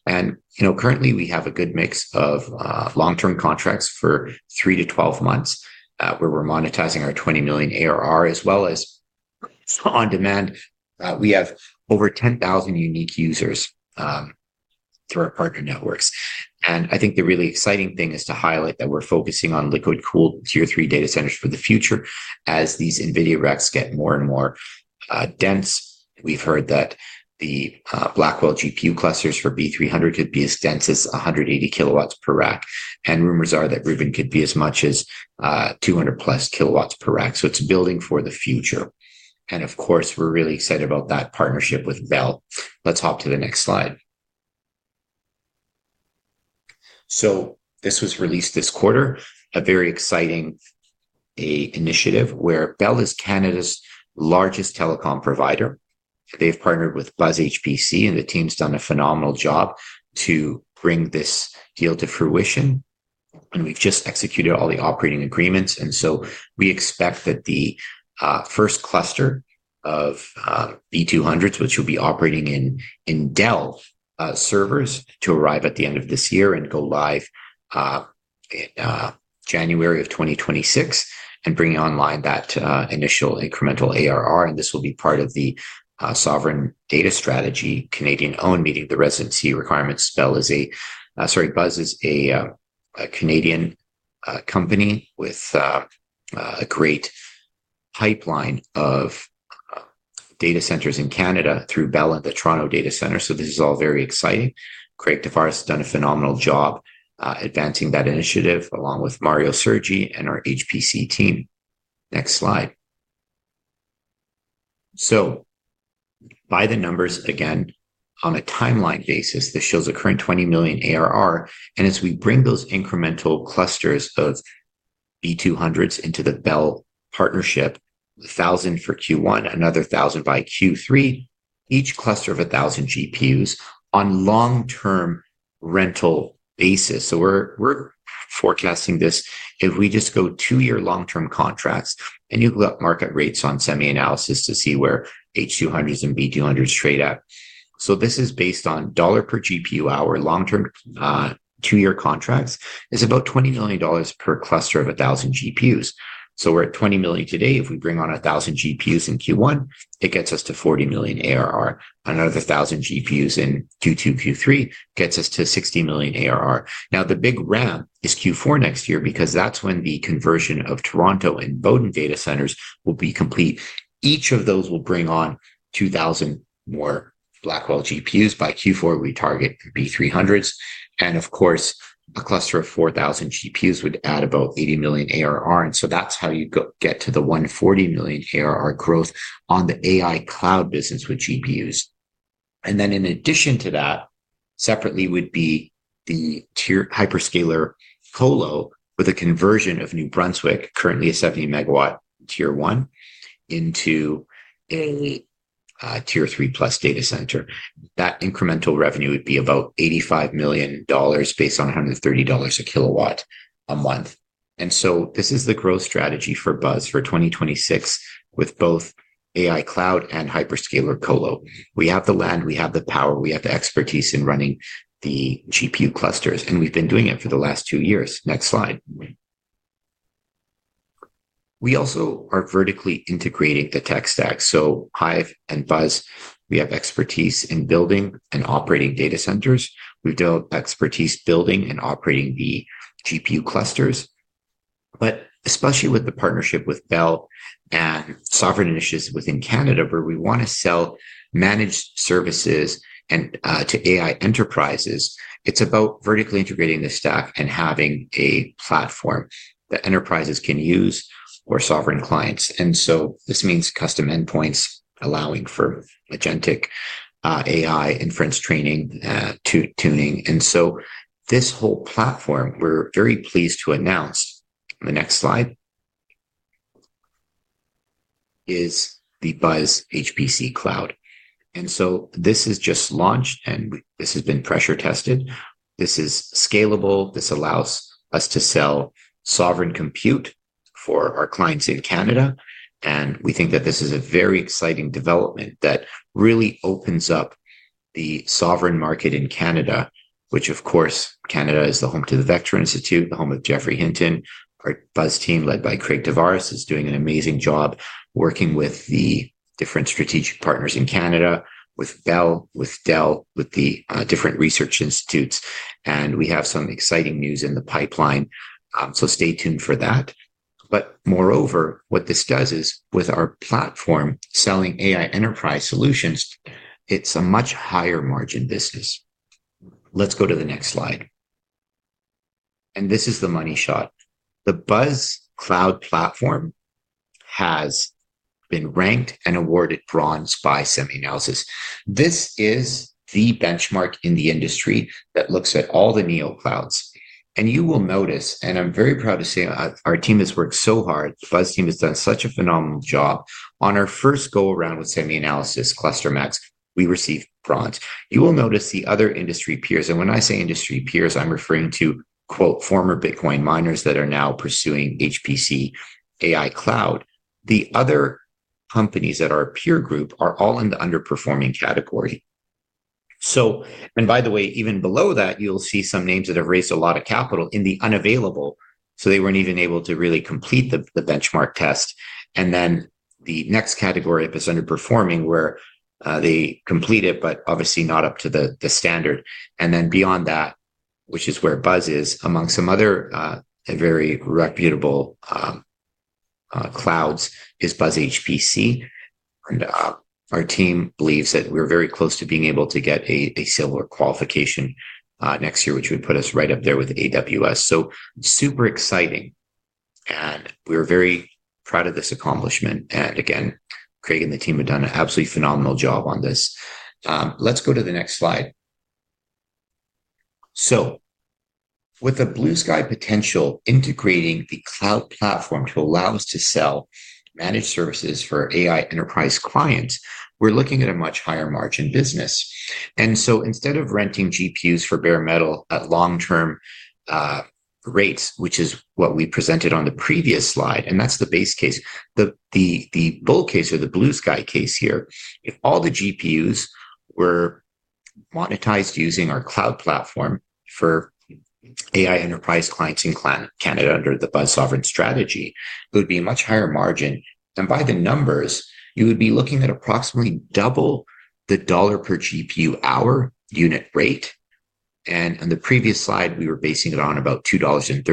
Currently, we have a good mix of long-term contracts for 3-12 months where we're monetizing our $20 million ARR as well as on demand. We have over 10,000 unique users through our partner networks. I think the really exciting thing is to highlight that we're focusing on liquid cooled tier three data centers for the future as these NVIDIA racks get more and more dense. We've heard that the Blackwell GPU clusters for B300 could be as dense as 180 kW per rack. Rumors are that Rubin could be as much as 200+ kW per rack. It's building for the future. Of course, we're really excited about that partnership with Bell. Let's hop to the next slide. This was released this quarter, a very exciting initiative where Bell is Canada's largest telecom provider. They've partnered with BUZZ HPC, and the team's done a phenomenal job to bring this deal to fruition. We've just executed all the operating agreements. We expect that the first cluster of B200s, which will be operating in Dell servers, will arrive at the end of this year and go live in January of 2026 and bring online that initial incremental ARR. This will be part of the sovereign data strategy, Canadian-owned, meeting the residency requirements. Bell is a, sorry, BUZZ is a Canadian company with a great pipeline of data centers in Canada through Bell and the Toronto data center. This is all very exciting. Craig Tavares has done a phenomenal job advancing that initiative along with Mario Sergi and our HPC team. Next slide. By the numbers, again, on a timeline basis, this shows a current $20 million ARR. As we bring those incremental clusters of B200s into the Bell partnership, 1,000 for Q1, another 1,000 by Q3, each cluster of 1,000 GPUs on long-term rental basis. We are forecasting this if we just go two-year long-term contracts and you look at market rates on SemiAnalysis to see where H200s and B200s trade at. This is based on dollar per GPU hour, long-term two-year contracts is about $20 million per cluster of 1,000 GPUs. We are at $20 million today. If we bring on 1,000 GPUs in Q1, it gets us to $40 million ARR. Another 1,000 GPUs in Q2, Q3 gets us to $60 million ARR. Now, the big ramp is Q4 next year because that's when the conversion of Toronto and Boden data centers will be complete. Each of those will bring on 2,000 more Blackwell GPUs. By Q4, we target B300s. Of course, a cluster of 4,000 GPUs would add about $80 million ARR. That is how you get to the $140 million ARR growth on the AI cloud business with GPUs. In addition to that, separately would be the hyperscaler colo with a conversion of New Brunswick, currently a 70 MW tier one, into a tier three plus data center. That incremental revenue would be about $85 million based on $130 a kilowatt a month. This is the growth strategy for BUZZ for 2026 with both AI cloud and hyperscaler colo. We have the land, we have the power, we have the expertise in running the GPU clusters, and we've been doing it for the last two years. Next slide. We also are vertically integrating the tech stack. So HIVE and BUZZ, we have expertise in building and operating data centers. We've developed expertise building and operating the GPU clusters. Especially with the partnership with Bell and sovereign initiatives within Canada, where we want to sell managed services to AI enterprises, it's about vertically integrating the stack and having a platform that enterprises can use or sovereign clients. This means custom endpoints allowing for magentic AI inference training tuning. This whole platform, we're very pleased to announce. The next slide is the BUZZ HPC Cloud. This is just launched, and this has been pressure tested. This is scalable. This allows us to sell sovereign compute for our clients in Canada. We think that this is a very exciting development that really opens up the sovereign market in Canada, which, of course, Canada is the home to the Vector Institute, the home of Geoffrey Hinton. Our BUZZ team led by Craig Tavares is doing an amazing job working with the different strategic partners in Canada, with Bell, with Dell, with the different research institutes. We have some exciting news in the pipeline. Stay tuned for that. Moreover, what this does is with our platform selling AI enterprise solutions, it is a much higher margin business. Let's go to the next slide. This is the money shot. The BUZZ HPC Cloud platform has been ranked and awarded bronze by SemiAnalysis. This is the benchmark in the industry that looks at all the Neo clouds. You will notice, and I'm very proud to say our team has worked so hard. The BUZZ team has done such a phenomenal job. On our first go-around with SemiAnalysis, ClusterMax, we received bronze. You will notice the other industry peers. When I say industry peers, I'm referring to, quote, former Bitcoin miners that are now pursuing HPC AI cloud. The other companies that are a peer group are all in the underperforming category. By the way, even below that, you'll see some names that have raised a lot of capital in the unavailable. They were not even able to really complete the benchmark test. The next category is underperforming where they complete it, but obviously not up to the standard. Beyond that, which is where BUZZ is, among some other very reputable clouds, is BUZZ HPC. Our team believes that we're very close to being able to get a similar qualification next year, which would put us right up there with AWS. Super exciting. We're very proud of this accomplishment. Again, Craig and the team have done an absolutely phenomenal job on this. Let's go to the next slide. With the Blue Sky potential integrating the cloud platform to allow us to sell managed services for AI enterprise clients, we're looking at a much higher margin business. Instead of renting GPUs for bare metal at long-term rates, which is what we presented on the previous slide, and that's the base case, the bull case or the blue sky case here, if all the GPUs were monetized using our cloud platform for AI enterprise clients in Canada under the BUZZ sovereign strategy, it would be a much higher margin. By the numbers, you would be looking at approximately double the dollar per GPU hour unit rate. On the previous slide, we were basing it on about $2.30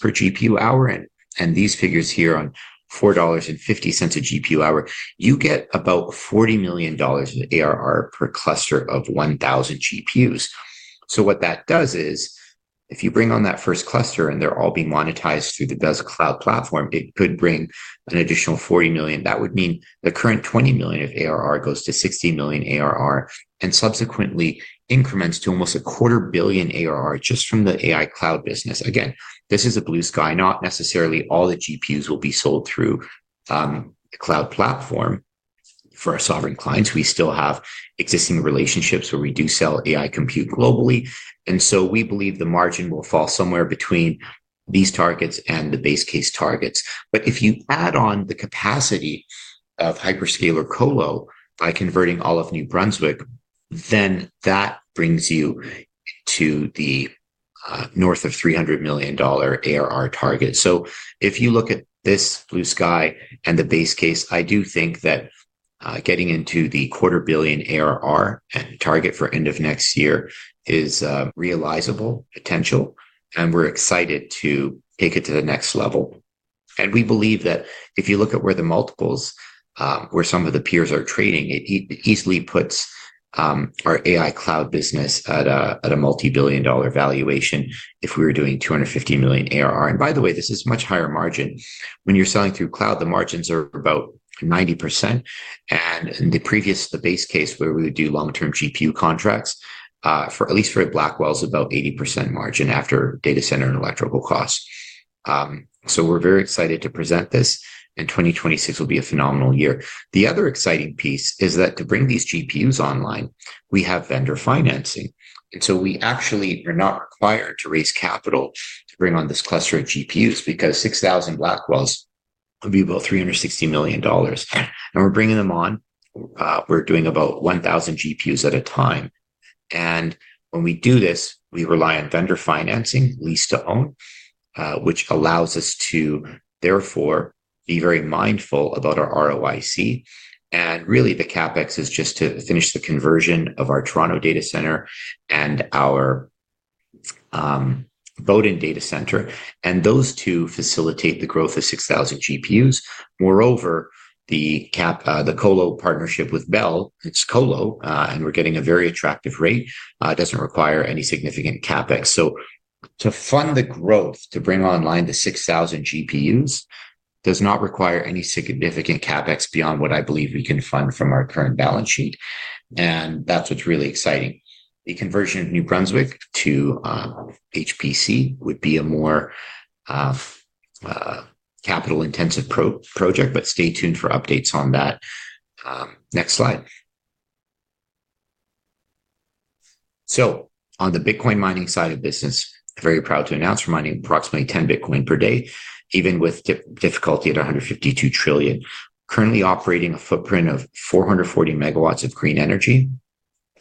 per GPU hour. These figures here on $4.50 a GPU hour, you get about $40 million of ARR per cluster of 1,000 GPUs. What that does is if you bring on that first cluster and they are all being monetized through the BUZZ cloud platform, it could bring an additional $40 million. That would mean the current $20 million of ARR goes to $60 million ARR and subsequently increments to almost a quarter billion ARR just from the AI cloud business. Again, this is a blue sky. Not necessarily all the GPUs will be sold through the cloud platform for our sovereign clients. We still have existing relationships where we do sell AI compute globally. We believe the margin will fall somewhere between these targets and the base case targets. If you add on the capacity of hyperscaler colo by converting all of New Brunswick, that brings you to the north of $300 million ARR target. If you look at this blue sky and the base case, I do think that getting into the quarter billion ARR and target for end of next year is realizable potential. We're excited to take it to the next level. We believe that if you look at where the multiples where some of the peers are trading, it easily puts our AI cloud business at a multi-billion dollar valuation if we were doing $250 million ARR. By the way, this is much higher margin. When you're selling through cloud, the margins are about 90%. In the previous, the base case where we would do long-term GPU contracts, at least for a Blackwell, is about 80% margin after data center and electrical costs. We are very excited to present this. 2026 will be a phenomenal year. The other exciting piece is that to bring these GPUs online, we have vendor financing. We actually are not required to raise capital to bring on this cluster of GPUs because 6,000 Blackwells would be about $360 million. We are bringing them on. We are doing about 1,000 GPUs at a time. When we do this, we rely on vendor financing, lease to own, which allows us to therefore be very mindful about our ROIC. Really, the CapEx is just to finish the conversion of our Toronto data center and our Boden data center. Those two facilitate the growth of 6,000 GPUs. Moreover, the colo partnership with Bell, it's colo, and we're getting a very attractive rate. It doesn't require any significant CapEx. To fund the growth, to bring online the 6,000 GPUs does not require any significant CapEx beyond what I believe we can fund from our current balance sheet. That's what's really exciting. The conversion of New Brunswick to HPC would be a more capital-intensive project, but stay tuned for updates on that. Next slide. On the Bitcoin mining side of business, very proud to announce we're mining approximately 10 Bitcoin per day, even with difficulty at 152 trillion. Currently operating a footprint of 440 MW of green energy.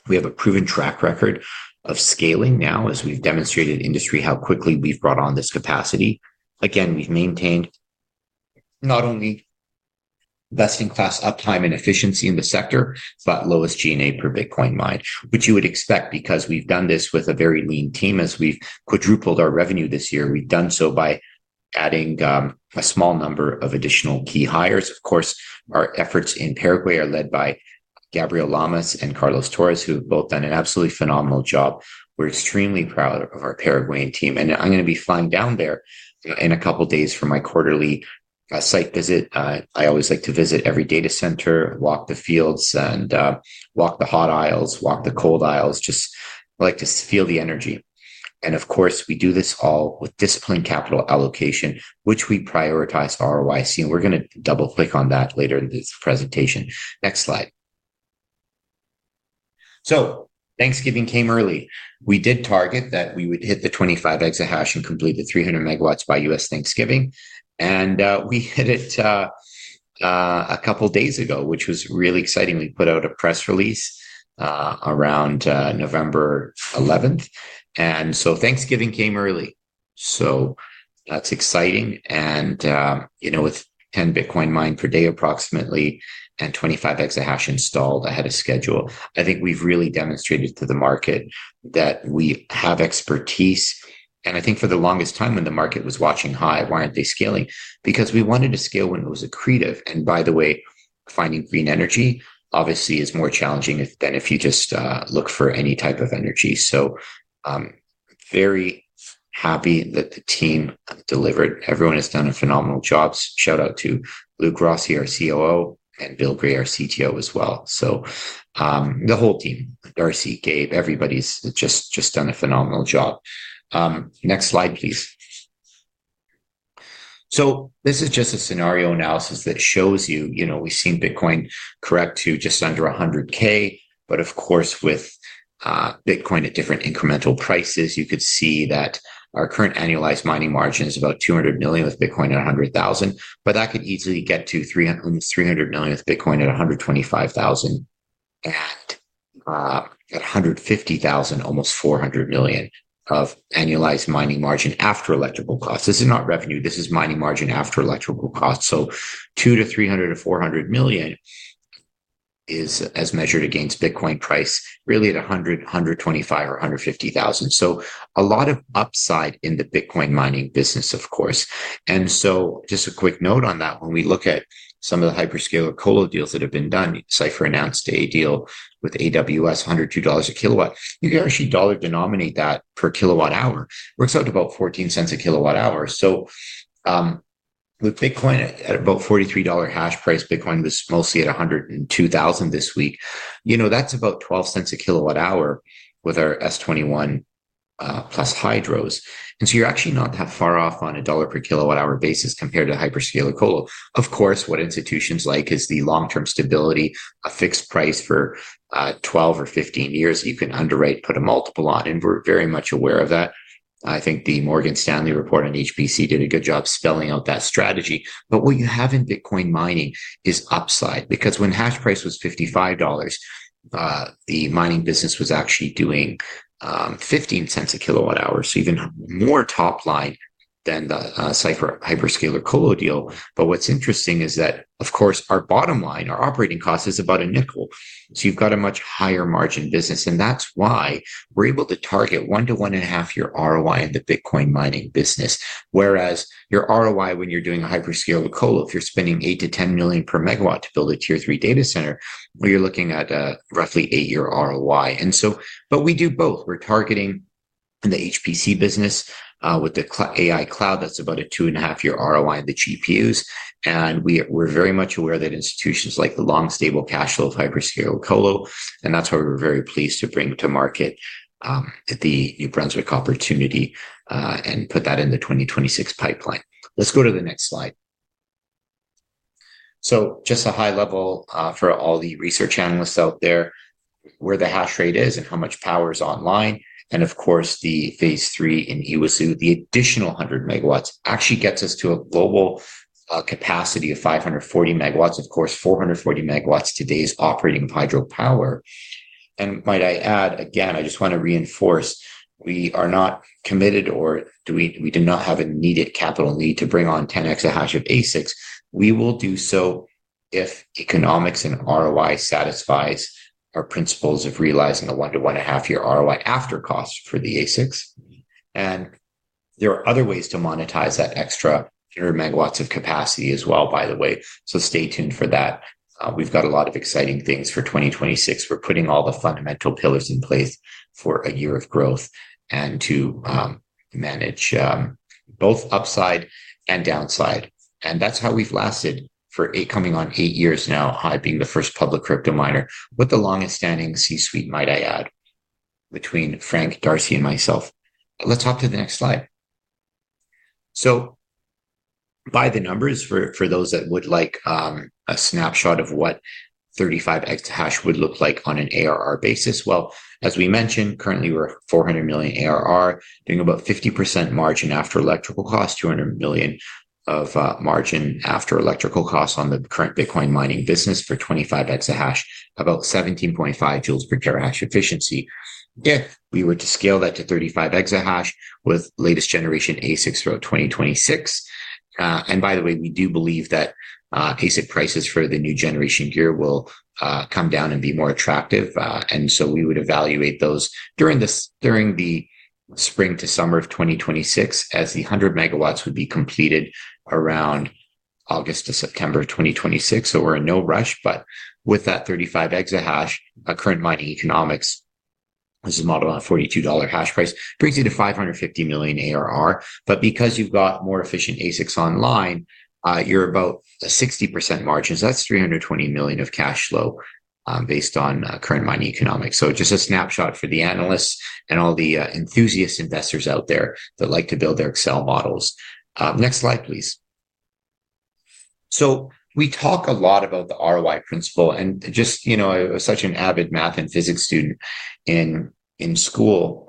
We have a proven track record of scaling now as we've demonstrated industry how quickly we've brought on this capacity. Again, we've maintained not only best-in-class uptime and efficiency in the sector, but lowest G&A per Bitcoin mined, which you would expect because we've done this with a very lean team as we've quadrupled our revenue this year. We've done so by adding a small number of additional key hires. Of course, our efforts in Paraguay are led by Gabriel Lamas and Carlos Torres, who have both done an absolutely phenomenal job. We're extremely proud of our Paraguayan team. I'm going to be flying down there in a couple of days for my quarterly site visit. I always like to visit every data center, walk the fields, and walk the hot aisles, walk the cold aisles. I just like to feel the energy. Of course, we do this all with disciplined capital allocation, which we prioritize ROIC. We're going to double-click on that later in this presentation. Next slide. Thanksgiving came early. We did target that we would hit the 25 exahash and complete the 300 MW by U.S. Thanksgiving. We hit it a couple of days ago, which was really exciting. We put out a press release around November 11. Thanksgiving came early. That is exciting. With 10 Bitcoin mined per day approximately and 25 exahash installed ahead of schedule, I think we have really demonstrated to the market that we have expertise. I think for the longest time when the market was watching HIVE, why are they not scaling? Because we wanted to scale when it was accretive. By the way, finding green energy obviously is more challenging than if you just look for any type of energy. Very happy that the team delivered. Everyone has done a phenomenal job. Shout out to Luke Rossy, our COO, and Bill Gray, our CTO as well. The whole team, Darcy, Gabe, everybody's just done a phenomenal job. Next slide, please. This is just a scenario analysis that shows you we've seen Bitcoin correct to just under $100,000. Of course, with Bitcoin at different incremental prices, you could see that our current annualized mining margin is about $200 million with Bitcoin at $100,000. That could easily get to almost $300 million with Bitcoin at $125,000 and at $150,000, almost $400 million of annualized mining margin after electrical costs. This is not revenue. This is mining margin after electrical costs. $200 million to $300 million to $400 million is as measured against Bitcoin price, really at $100,000, $125,000, or $150,000. A lot of upside in the Bitcoin mining business, of course. Just a quick note on that, when we look at some of the hyperscaler colo deals that have been done, Cypher announced a deal with AWS, $102 a kilowatt. You can actually dollar denominate that per kilowatt hour. It works out to about $0.14 a kilowatt hour. With Bitcoin at about $43 hash price, Bitcoin was mostly at $102,000 this week. That is about $0.12 a kilowatt hour with our S21+ Hydros. You are actually not that far off on a dollar per kilowatt hour basis compared to hyperscaler colo. Of course, what institutions like is the long-term stability, a fixed price for 12 or 15 years that you can underwrite, put a multiple on. We are very much aware of that. I think the Morgan Stanley report on HPC did a good job spelling out that strategy. What you have in Bitcoin mining is upside because when hash price was $55, the mining business was actually doing $0.15 a kilowatt hour, so even more top line than the Cypher hyperscaler colo deal. What's interesting is that, of course, our bottom line, our operating cost is about a nickel. You've got a much higher margin business. That's why we're able to target one to one and a half year ROI in the Bitcoin mining business, whereas your ROI when you're doing a hyperscaler colo, if you're spending $8 million-$10 million per megawatt to build a tier three data center, you're looking at roughly eight-year ROI. We do both. We're targeting the HPC business with the AI cloud. That's about a two and a half year ROI in the GPUs. We are very much aware that institutions like the long stable cash flow of hyperscaler colo. That is why we are very pleased to bring to market the New Brunswick opportunity and put that in the 2026 pipeline. Let's go to the next slide. Just a high level for all the research analysts out there, where the hash rate is and how much power is online. Of course, the phase three in Yguazú, the additional 100 MW actually gets us to a global capacity of 540 MW. Of course, 440 MW today is operating of hydro power. I might add, again, I just want to reinforce, we are not committed or we do not have a needed capital need to bring on 10 exahash of ASICs. We will do so if economics and ROI satisfies our principles of realizing a one to one and a half year ROI after cost for the ASICs. There are other ways to monetize that extra 100 MW of capacity as well, by the way. Stay tuned for that. We have got a lot of exciting things for 2026. We are putting all the fundamental pillars in place for a year of growth and to manage both upside and downside. That is how we have lasted for coming on eight years now, I being the first public crypto miner. What the longest standing C-suite, might I add, between Frank, Darcy, and myself? Let's hop to the next slide. By the numbers, for those that would like a snapshot of what 35 exahash would look like on an ARR basis. As we mentioned, currently we're $400 million ARR, doing about 50% margin after electrical cost, $200 million of margin after electrical cost on the current Bitcoin mining business for 25 exahash, about 17.5 joules per terahash efficiency. If we were to scale that to 35 exahash with latest generation ASICs throughout 2026. By the way, we do believe that ASIC prices for the new generation gear will come down and be more attractive. We would evaluate those during the spring to summer of 2026 as the 100 MW would be completed around August to September of 2026. We're in no rush. With that 35 exahash, current mining economics, this is modeled on a $42 hash price, brings you to $550 million ARR. Because you've got more efficient ASICs online, you're about a 60% margin. That's $320 million of cash flow based on current mining economics. Just a snapshot for the analysts and all the enthusiast investors out there that like to build their Excel models. Next slide, please. We talk a lot about the ROI principle. Just, you know, I was such an avid math and physics student in school.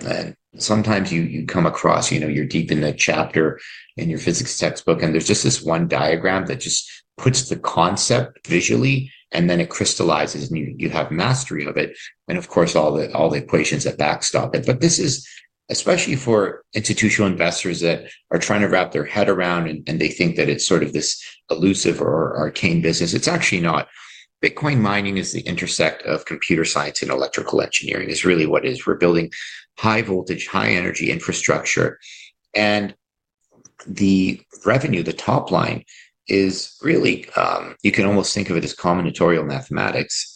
Sometimes you come across, you're deep in the chapter in your physics textbook, and there's just this one diagram that just puts the concept visually, and then it crystallizes, and you have mastery of it. Of course, all the equations that backstop it. This is especially for institutional investors that are trying to wrap their head around, and they think that it's sort of this elusive or arcane business. It's actually not. Bitcoin mining is the intersect of computer science and electrical engineering. It's really what it is. We're building high-voltage, high-energy infrastructure. The revenue, the top line is really, you can almost think of it as combinatorial mathematics.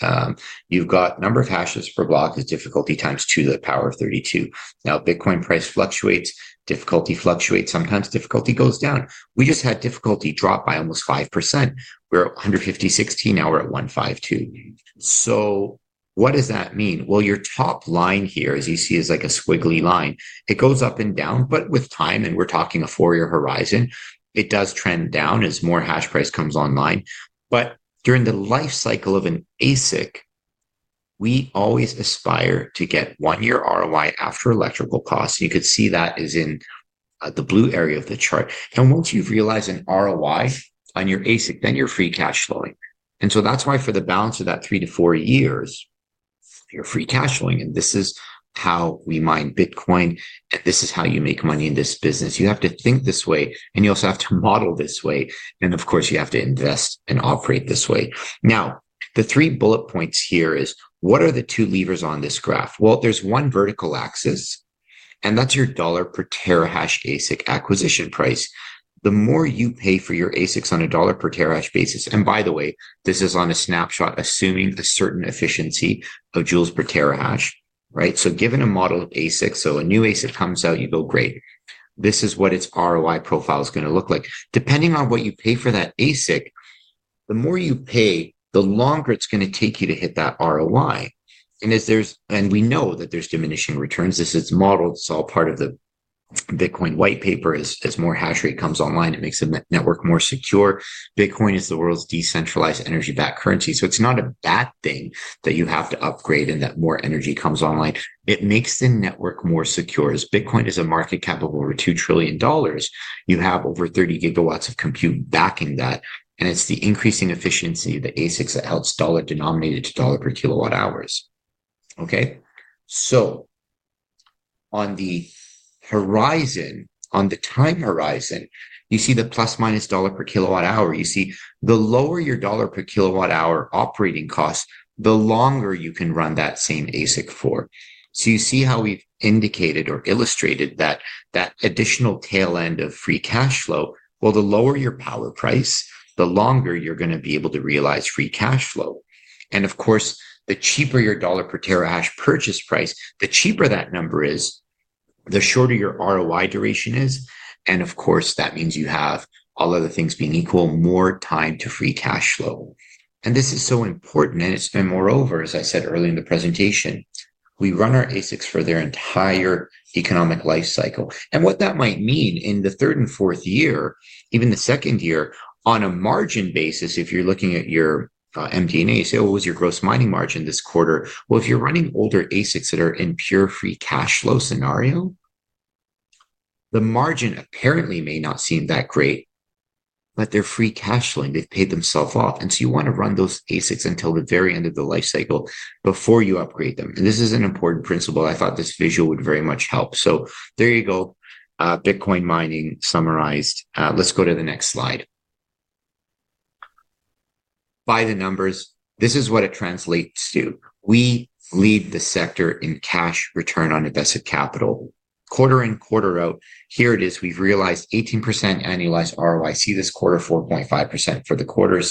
You've got number of hashes per block is difficulty times 2 to the power of 32. Now, Bitcoin price fluctuates. Difficulty fluctuates. Sometimes difficulty goes down. We just had difficulty drop by almost 5%. We're 150, 16. Now we're at 152. What does that mean? Your top line here, as you see, is like a squiggly line. It goes up and down, but with time, and we're talking a four-year horizon, it does trend down as more hash price comes online. During the life cycle of an ASIC, we always aspire to get one-year ROI after electrical costs. You could see that is in the blue area of the chart. Once you've realized an ROI on your ASIC, then you're free cash flowing. That is why for the balance of that three to four years, you're free cash flowing. This is how we mine Bitcoin, and this is how you make money in this business. You have to think this way, and you also have to model this way. Of course, you have to invest and operate this way. Now, the three bullet points here are, what are the two levers on this graph? There is one vertical axis, and that's your dollar per terahash ASIC acquisition price. The more you pay for your ASICs on a dollar per terahash basis. By the way, this is on a snapshot, assuming a certain efficiency of joules per terahash, right? Given a model of ASIC, so a new ASIC comes out, you go, "Great. This is what its ROI profile is going to look like. Depending on what you pay for that ASIC, the more you pay, the longer it's going to take you to hit that ROI. We know that there's diminishing returns. This is modeled. It's all part of the Bitcoin white paper. As more hash rate comes online, it makes the network more secure. Bitcoin is the world's decentralized energy-backed currency. It is not a bad thing that you have to upgrade and that more energy comes online. It makes the network more secure. As Bitcoin is a market cap of over $2 trillion, you have over 30 GW of compute backing that. It is the increasing efficiency of the ASIC that helps dollar denominated to dollar per kilowatt hours. Okay? On the horizon, on the time horizon, you see the plus-minus dollar per kilowatt hour. You see the lower your dollar per kilowatt hour operating cost, the longer you can run that same ASIC for. You see how we've indicated or illustrated that that additional tail end of free cash flow, the lower your power price, the longer you're going to be able to realize free cash flow. Of course, the cheaper your dollar per terahash purchase price, the cheaper that number is, the shorter your ROI duration is. Of course, that means you have all other things being equal, more time to free cash flow. This is so important. It's been moreover, as I said earlier in the presentation, we run our ASICs for their entire economic life cycle. What that might mean in the third and fourth year, even the second year, on a margin basis, if you're looking at your MD&A, you say, "What was your gross mining margin this quarter?" If you're running older ASICs that are in pure free cash flow scenario, the margin apparently may not seem that great, but they're free cash flowing. They've paid themselves off. You want to run those ASICs until the very end of the life cycle before you upgrade them. This is an important principle. I thought this visual would very much help. There you go, Bitcoin mining summarized. Let's go to the next slide. By the numbers, this is what it translates to. We lead the sector in cash return on invested capital. Quarter in quarter out, here it is. We've realized 18% annualized ROI. See this quarter, 4.5% for the quarter.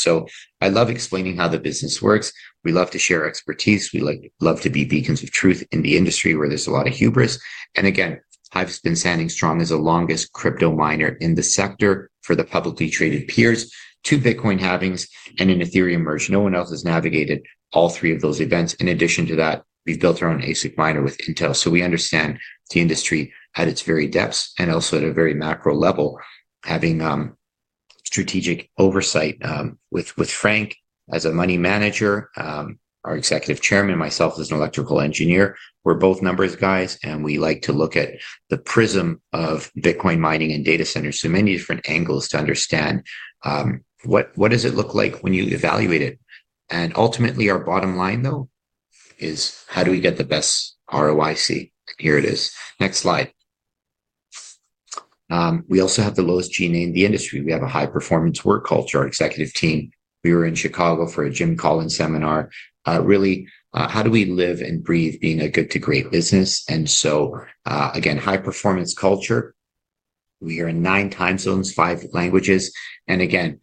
I love explaining how the business works. We love to share expertise. We love to be beacons of truth in the industry where there's a lot of hubris. Again, I've been standing strong as the longest crypto miner in the sector for the publicly traded peers to Bitcoin halvings and an Ethereum merge. No one else has navigated all three of those events. In addition to that, we've built our own ASIC miner with Intel. We understand the industry at its very depths and also at a very macro level, having strategic oversight with Frank as a money manager, our Executive Chairman, myself as an electrical engineer. We're both numbers guys, and we like to look at the prism of Bitcoin mining and data centers. So many different angles to understand what does it look like when you evaluate it. Ultimately, our bottom line, though, is how do we get the best ROIC? Here it is. Next slide. We also have the lowest G&A in the industry. We have a high-performance work culture, our executive team. We were in Chicago for a Jim Collins seminar. Really, how do we live and breathe being a good-to-great business? Again, high-performance culture. We are in nine time zones, five languages. Again,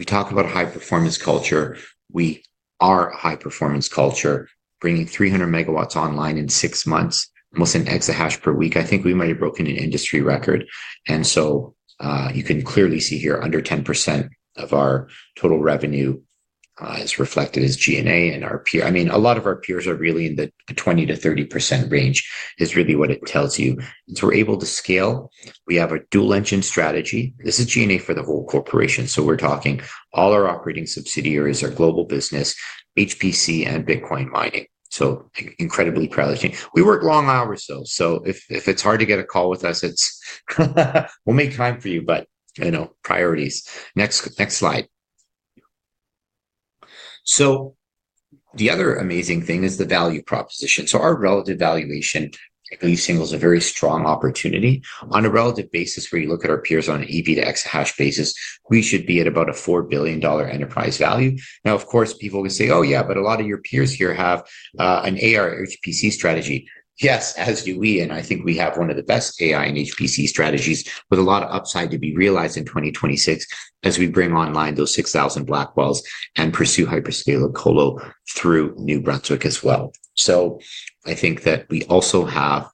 we talk about a high-performance culture. We are a high-performance culture, bringing 300 MW online in six months, almost an exahash per week. I think we might have broken an industry record. You can clearly see here, under 10% of our total revenue is reflected as G&A and our peer. I mean, a lot of our peers are really in the 20%-30% range is really what it tells you. We're able to scale. We have a dual-engine strategy. This is G&A for the whole corporation. We're talking all our operating subsidiaries, our global business, HPC, and Bitcoin mining. Incredibly privileged. We work long hours, though. If it's hard to get a call with us, we'll make time for you, but priorities. Next slide. The other amazing thing is the value proposition. Our relative valuation equity singles a very strong opportunity. On a relative basis, where you look at our peers on an EBITDA exahash basis, we should be at about a $4 billion enterprise value. Of course, people will say, "Oh, yeah, but a lot of your peers here have an AR HPC strategy." Yes, as do we. I think we have one of the best AI and HPC strategies with a lot of upside to be realized in 2026 as we bring online those 6,000 Blackwells and pursue hyperscale of Colo through New Brunswick as well. I think that we also have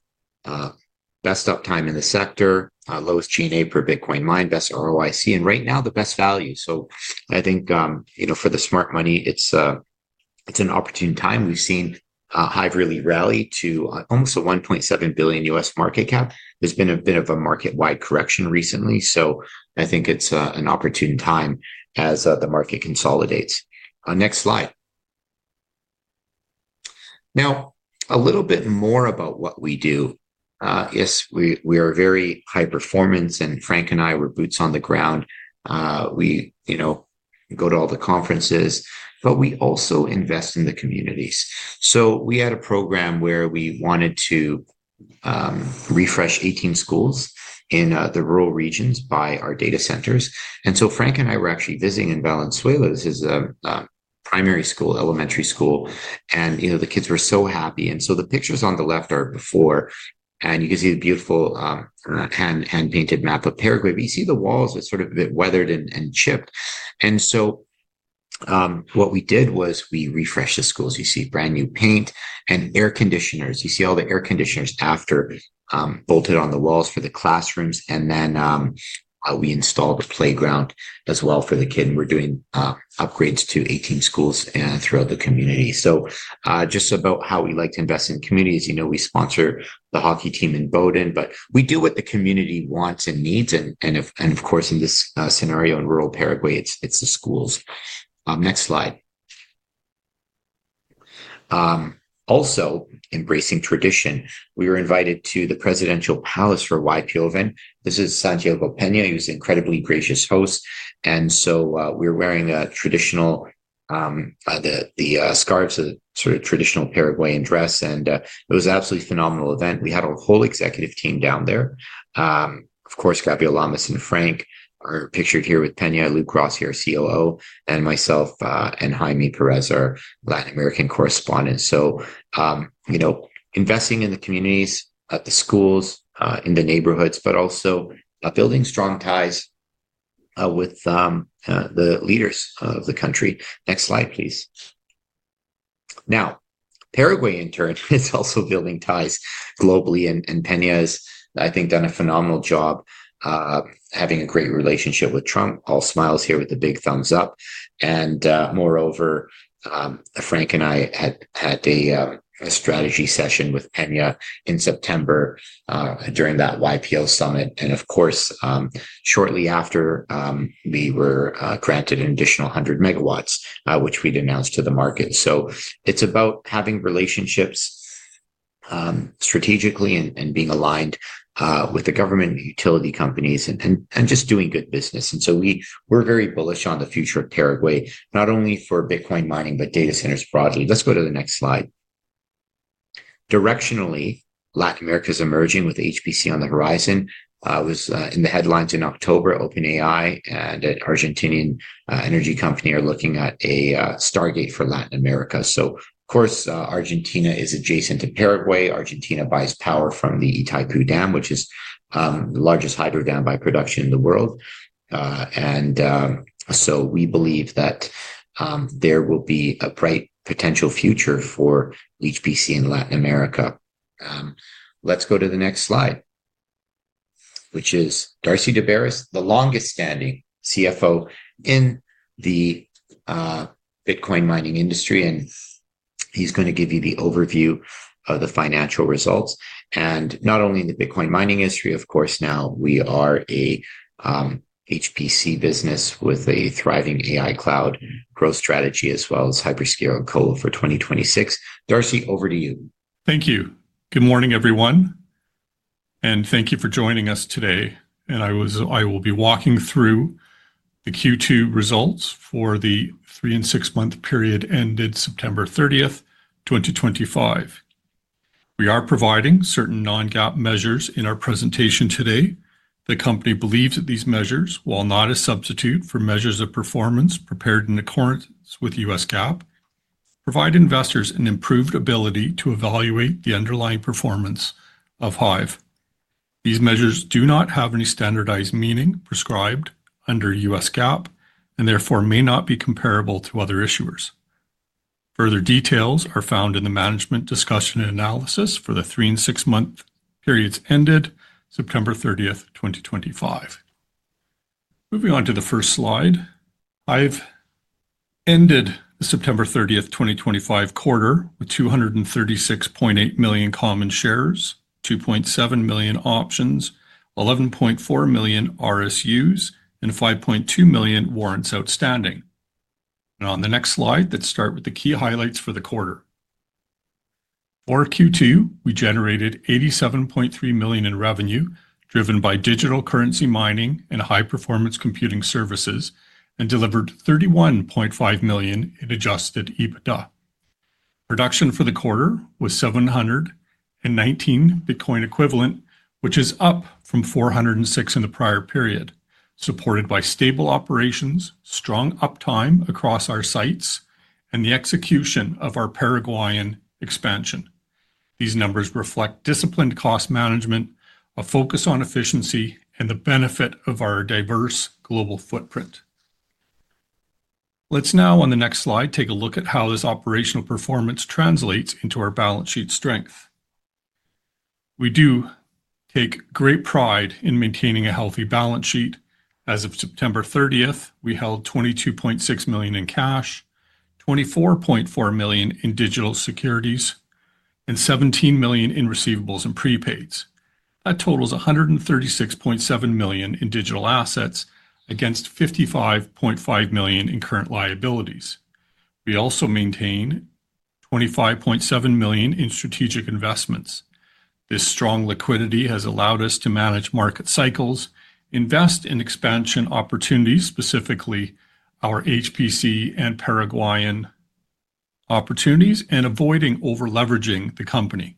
best uptime in the sector, lowest G&A per Bitcoin mine, best ROIC, and right now the best value. I think for the smart money, it's an opportune time. We've seen HIVE really rally to almost a $1.7 billion U.S. market cap. There's been a bit of a market-wide correction recently. I think it's an opportune time as the market consolidates. Next slide. Now, a little bit more about what we do. Yes, we are very high performance, and Frank and I were boots on the ground. We go to all the conferences, but we also invest in the communities. We had a program where we wanted to refresh 18 schools in the rural regions by our data centers. Frank and I were actually visiting in Valenzuela. This is a primary school, elementary school, and the kids were so happy. The pictures on the left are before, and you can see the beautiful hand-painted map of Paraguay. You see the walls are sort of a bit weathered and chipped. What we did was we refreshed the schools. You see brand new paint and air conditioners. You see all the air conditioners after bolted on the walls for the classrooms. We installed a playground as well for the kid. We are doing upgrades to 18 schools throughout the community. Just about how we like to invest in communities, we sponsor the hockey team in Boden, but we do what the community wants and needs. Of course, in this scenario in rural Paraguay, it is the schools. Next slide. Also, embracing tradition, we were invited to the presidential palace for a YPO event. This is Santiago Peña. He was an incredibly gracious host. We were wearing the scarves of the sort of traditional Paraguayan dress. It was an absolutely phenomenal event. We had our whole executive team down there. Of course, Gabriel Lamas and Frank are pictured here with Peña, Luke Rossy, our COO, and myself and Jaime Perez, our Latin American correspondents. Investing in the communities, at the schools, in the neighborhoods, but also building strong ties with the leaders of the country. Next slide, please. Now, Paraguay in turn is also building ties globally. Peña has, I think, done a phenomenal job, having a great relationship with Trump. All smiles here with a big thumbs up. Moreover, Frank and I had a strategy session with Peña in September during that YPO summit. Of course, shortly after, we were granted an additional 100 MW, which we'd announced to the market. It is about having relationships strategically and being aligned with the government utility companies and just doing good business. We are very bullish on the future of Paraguay, not only for Bitcoin mining, but data centers broadly. Let's go to the next slide. Directionally, Latin America is emerging with HPC on the horizon. It was in the headlines in October. OpenAI and an Argentinian energy company are looking at a Stargate for Latin America. Argentina is adjacent to Paraguay. Argentina buys power from the Itaipu Dam, which is the largest hydro dam by production in the world. We believe that there will be a bright potential future for HPC in Latin America. Let's go to the next slide, which is Darcy Daubaras, the longest-standing CFO in the Bitcoin mining industry. He is going to give you the overview of the financial results. Not only in the Bitcoin mining industry, of course, now we are a HPC business with a thriving AI cloud growth strategy as well as hyperscale and Colo for 2026. Darcy, over to you. Thank you. Good morning, everyone. Thank you for joining us today. I will be walking through the Q2 results for the three and six-month period ended September 30th, 2025. We are providing certain non-GAAP measures in our presentation today. The company believes that these measures, while not a substitute for measures of performance prepared in accordance with U.S. GAAP, provide investors an improved ability to evaluate the underlying performance of HIVE. These measures do not have any standardized meaning prescribed under U.S. GAAP and therefore may not be comparable to other issuers. Further details are found in the management discussion and analysis for the three and six-month periods ended September 30th, 2025. Moving on to the first slide, HIVE ended the September 30th, 2025 quarter with 236.8 million common shares, 2.7 million options, 11.4 million RSUs, and 5.2 million warrants outstanding. On the next slide, let's start with the key highlights for the quarter. For Q2, we generated $87.3 million in revenue driven by digital currency mining and high-performance computing services and delivered $31.5 million in adjusted EBITDA. Production for the quarter was 719 Bitcoin equivalent, which is up from 406 in the prior period, supported by stable operations, strong uptime across our sites, and the execution of our Paraguayan expansion. These numbers reflect disciplined cost management, a focus on efficiency, and the benefit of our diverse global footprint. Let's now, on the next slide, take a look at how this operational performance translates into our balance sheet strength. We do take great pride in maintaining a healthy balance sheet. As of September 30th, we held $22.6 million in cash, $24.4 million in digital securities, and $17 million in receivables and prepaids. That totals $136.7 million in digital assets against $55.5 million in current liabilities. We also maintain $25.7 million in strategic investments. This strong liquidity has allowed us to manage market cycles, invest in expansion opportunities, specifically our HPC and Paraguayan opportunities, and avoiding over-leveraging the company.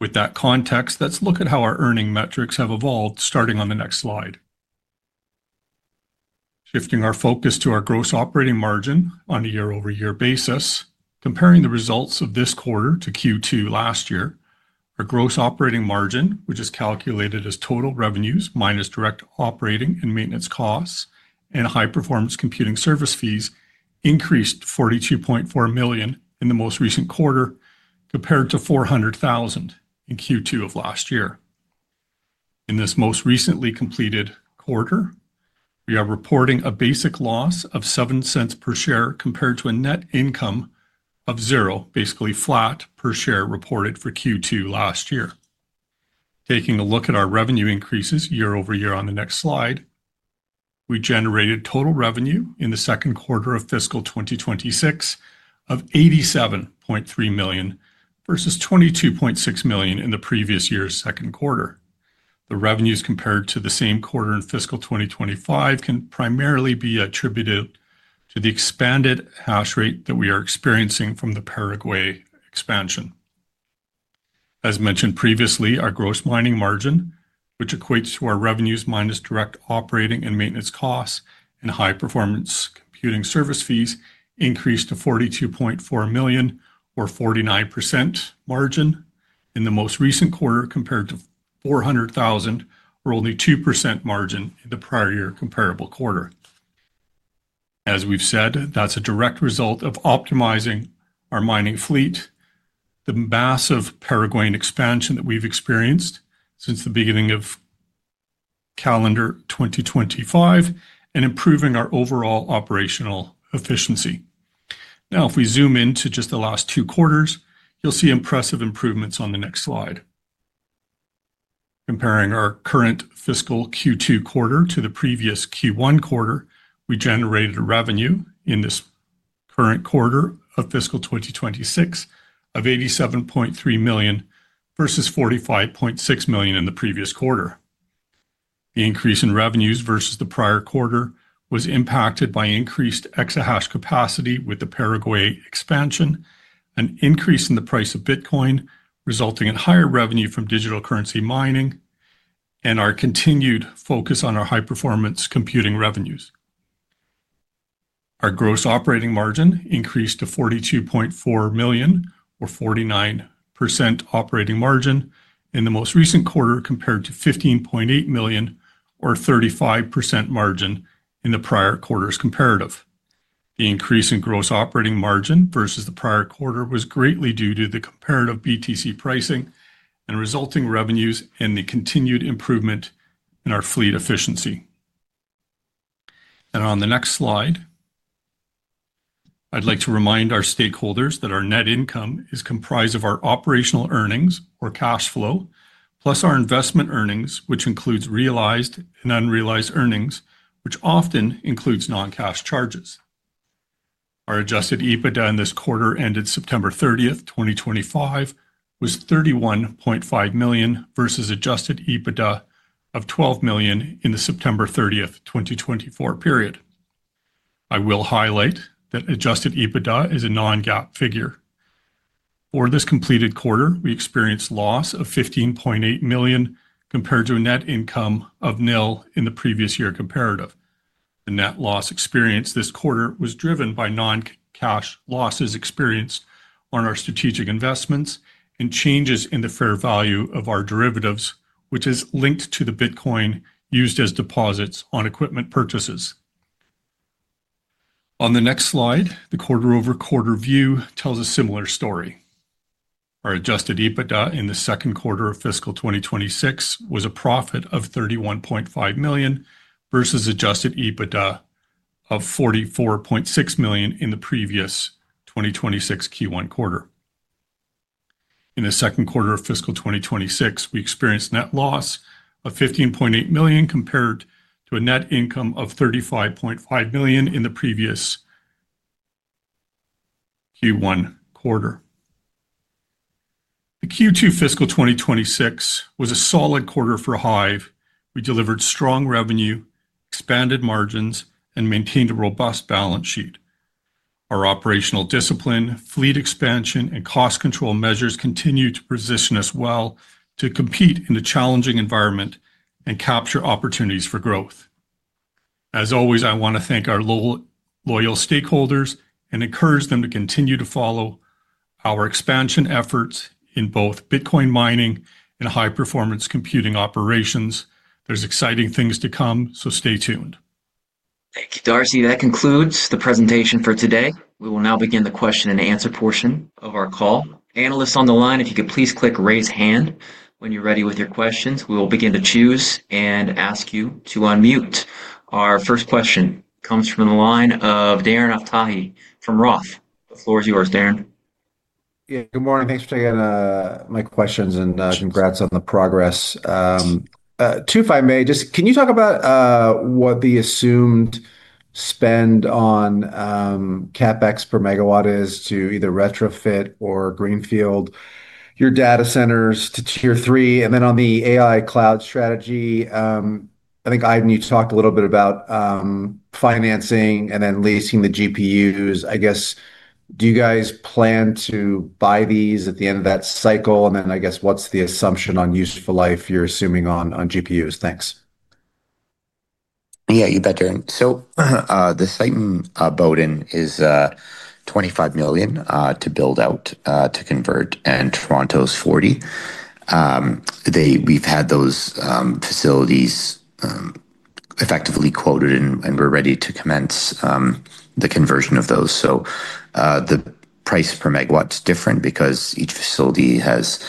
With that context, let's look at how our earning metrics have evolved, starting on the next slide. Shifting our focus to our gross operating margin on a year-over-year basis, comparing the results of this quarter to Q2 last year, our gross operating margin, which is calculated as total revenues minus direct operating and maintenance costs and high-performance computing service fees, increased $42.4 million in the most recent quarter compared to $400,000 in Q2 of last year. In this most recently completed quarter, we are reporting a basic loss of $0.07 per share compared to a net income of zero, basically flat per share reported for Q2 last year. Taking a look at our revenue increases year-over-year on the next slide, we generated total revenue in the second quarter of fiscal 2026 of $87.3 million versus $22.6 million in the previous year's second quarter. The revenues compared to the same quarter in fiscal 2025 can primarily be attributed to the expanded hash rate that we are experiencing from the Paraguay expansion. As mentioned previously, our gross mining margin, which equates to our revenues minus direct operating and maintenance costs and high-performance computing service fees, increased to $42.4 million or 49% margin in the most recent quarter compared to $400,000 or only 2% margin in the prior year comparable quarter. As we've said, that's a direct result of optimizing our mining fleet, the massive Paraguayan expansion that we've experienced since the beginning of calendar 2025, and improving our overall operational efficiency. Now, if we zoom into just the last two quarters, you'll see impressive improvements on the next slide. Comparing our current fiscal Q2 quarter to the previous Q1 quarter, we generated a revenue in this current quarter of fiscal 2026 of $87.3 million versus $45.6 million in the previous quarter. The increase in revenues versus the prior quarter was impacted by increased exahash capacity with the Paraguay expansion, an increase in the price of Bitcoin resulting in higher revenue from digital currency mining, and our continued focus on our high-performance computing revenues. Our gross operating margin increased to $42.4 million or 49% operating margin in the most recent quarter compared to $15.8 million or 35% margin in the prior quarter's comparative. The increase in gross operating margin versus the prior quarter was greatly due to the comparative BTC pricing and resulting revenues and the continued improvement in our fleet efficiency. On the next slide, I'd like to remind our stakeholders that our net income is comprised of our operational earnings or cash flow, plus our investment earnings, which includes realized and unrealized earnings, which often includes non-cash charges. Our adjusted EBITDA in this quarter ended September 30th, 2025, was $31.5 million versus adjusted EBITDA of $12 million in the September 30th, 2024 period. I will highlight that adjusted EBITDA is a non-GAAP figure. For this completed quarter, we experienced loss of $15.8 million compared to a net income of nil in the previous year comparative. The net loss experienced this quarter was driven by non-cash losses experienced on our strategic investments and changes in the fair value of our derivatives, which is linked to the Bitcoin used as deposits on equipment purchases. On the next slide, the quarter-over-quarter view tells a similar story. Our adjusted EBITDA in the second quarter of fiscal 2026 was a profit of $31.5 million versus adjusted EBITDA of $44.6 million in the previous 2026 Q1 quarter. In the second quarter of fiscal 2026, we experienced net loss of $15.8 million compared to a net income of $35.5 million in the previous Q1 quarter. The Q2 fiscal 2026 was a solid quarter for HIVE. We delivered strong revenue, expanded margins, and maintained a robust balance sheet. Our operational discipline, fleet expansion, and cost control measures continue to position us well to compete in the challenging environment and capture opportunities for growth. As always, I want to thank our loyal stakeholders and encourage them to continue to follow our expansion efforts in both Bitcoin mining and high-performance computing operations. There's exciting things to come, so stay tuned. Thank you, Darcy. That concludes the presentation for today. We will now begin the question and answer portion of our call. Panelists on the line, if you could please click raise hand when you're ready with your questions. We will begin to choose and ask you to unmute. Our first question comes from the line of Darren Aftahi from ROTH. The floor is yours, Darren. Yeah, good morning. Thanks for taking my questions and congrats on the progress. Tufe, if I may, just can you talk about what the assumed spend on CapEx per megawatt is to either retrofit or greenfield your data centers to tier three? And then on the AI cloud strategy, I think, Aydin, you talked a little bit about financing and then leasing the GPUs. I guess, do you guys plan to buy these at the end of that cycle? And then I guess, what's the assumption on useful life you're assuming on GPUs? Thanks. Yeah, you bet, Darren. The site in Boden is $25 million to build out to convert, and Toronto is $40 million. We've had those facilities effectively quoted, and we're ready to commence the conversion of those. The price per megawatt is different because each facility has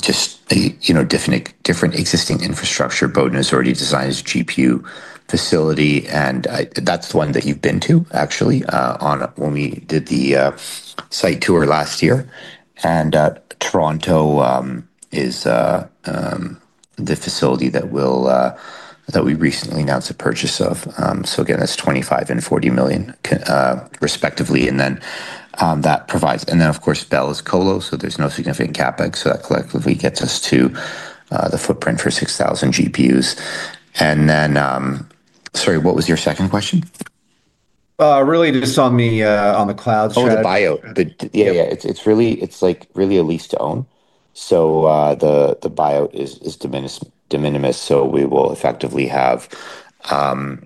just different existing infrastructure. Boden is already designed as a GPU facility, and that's the one that you've been to, actually, when we did the site tour last year. Toronto is the facility that we recently announced the purchase of. That's $25 million and $40 million, respectively. That provides, and then, of course, Bell is Colo, so there's no significant CapEx. That collectively gets us to the footprint for 6,000 GPUs. Sorry, what was your second question? Really, just on the cloud share. Oh, the buyout. Yeah, yeah. It's really a lease-to-own. The buyout is de minimis. We will effectively have, at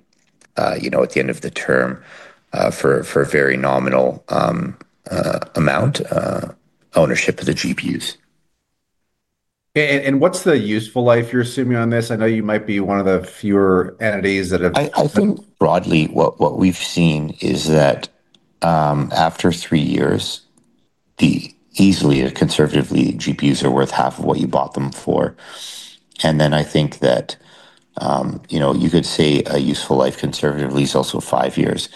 the end of the term, for a very nominal amount, ownership of the GPUs. Okay. What's the useful life you're assuming on this? I know you might be one of the fewer entities that have. I think broadly, what we've seen is that after three years, easily, conservatively, GPUs are worth half of what you bought them for. I think that you could say a useful life conservatively is also five years.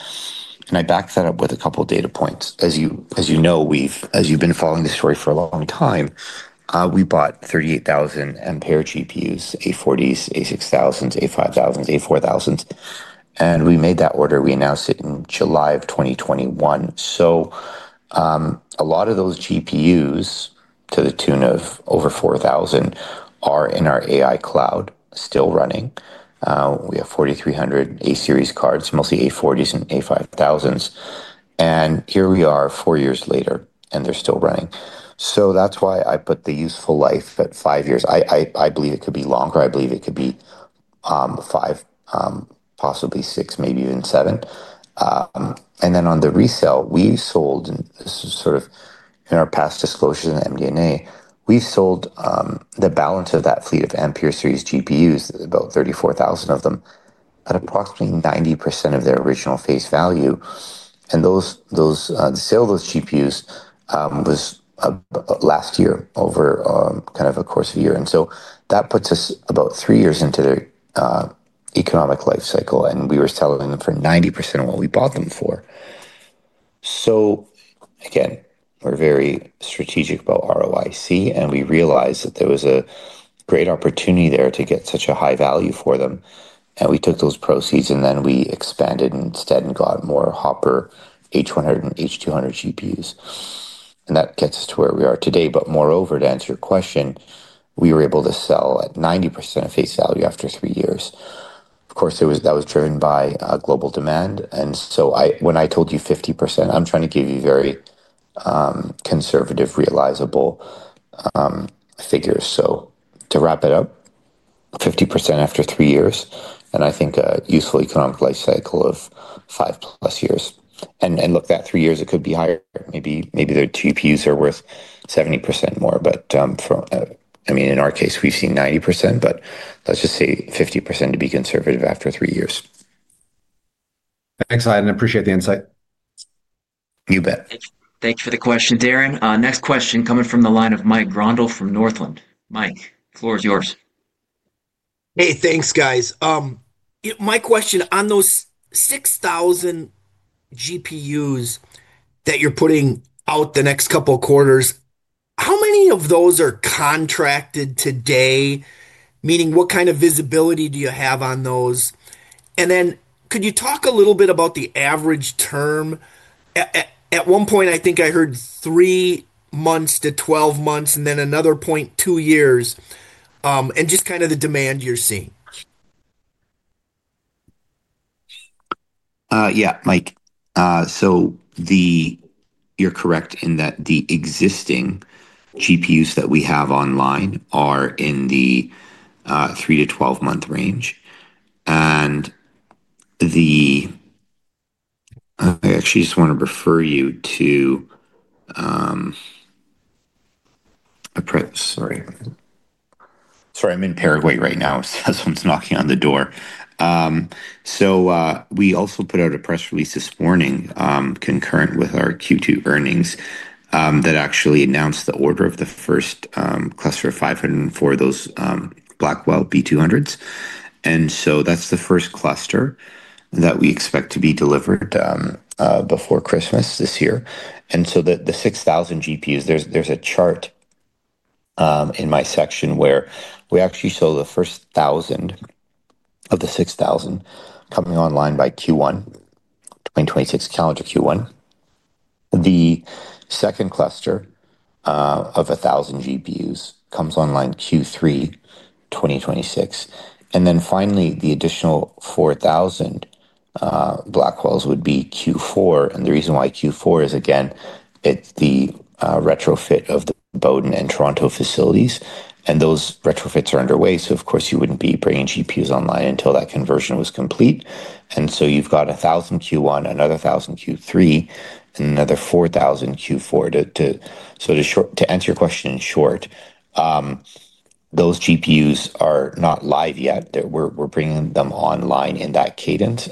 I back that up with a couple of data points. As you know, as you've been following the story for a long time, we bought 38,000 Ampere GPUs, A40s, A6000s, A5000s, A4000s. We made that order. We announced it in July of 2021. A lot of those GPUs, to the tune of over 4,000, are in our AI cloud still running. We have 4,300 A-series cards, mostly A40s and A5000s. Here we are four years later, and they're still running. That's why I put the useful life at five years. I believe it could be longer. I believe it could be five, possibly six, maybe even seven. On the resale, we've sold, sort of in our past disclosures in MD&A, we've sold the balance of that fleet of Ampere series GPUs, about 34,000 of them, at approximately 90% of their original face value. The sale of those GPUs was last year over kind of a course of a year. That puts us about three years into their economic life cycle, and we were selling them for 90% of what we bought them for. Again, we're very strategic about ROIC, and we realized that there was a great opportunity there to get such a high value for them. We took those proceeds, and then we expanded instead and got more Hopper H100 and H200 GPUs. That gets us to where we are today. Moreover, to answer your question, we were able to sell at 90% of face value after three years. Of course, that was driven by global demand. When I told you 50%, I'm trying to give you very conservative, realizable figures. To wrap it up, 50% after three years, and I think a useful economic life cycle of five plus years. Look, that three years, it could be higher. Maybe the GPUs are worth 70% more. But I mean, in our case, we've seen 90%, but let's just say 50% to be conservative after three years. Thanks, Aydin. Appreciate the insight. You bet. Thank you for the question, Darren. Next question coming from the line of Mike Grondahl from Northland. Mike, the floor is yours. Hey, thanks, guys. My question on those 6,000 GPUs that you're putting out the next couple of quarters, how many of those are contracted today? Meaning, what kind of visibility do you have on those? And then could you talk a little bit about the average term? At one point, I think I heard three months to 12 months, and then another point, two years, and just kind of the demand you're seeing. Yeah, Mike. So you're correct in that the existing GPUs that we have online are in the 3-12 month range. I actually just want to refer you to a press—sorry. Sorry, I'm in Paraguay right now. Someone's knocking on the door. We also put out a press release this morning concurrent with our Q2 earnings that actually announced the order of the first cluster of 500 for those Blackwell B200s. That is the first cluster that we expect to be delivered before Christmas this year. The 6,000 GPUs, there's a chart in my section where we actually sold the first 1,000 of the 6,000 coming online by Q1, 2026, calendar Q1. The second cluster of 1,000 GPUs comes online Q3, 2026. Finally, the additional 4,000 Blackwells would be Q4. The reason why Q4 is, again, it's the retrofit of the Boden and Toronto facilities. Those retrofits are underway. Of course, you would not be bringing GPUs online until that conversion was complete. You have 1,000 Q1, another 1,000 Q3, and another 4,000 Q4. To answer your question in short, those GPUs are not live yet. We are bringing them online in that cadence.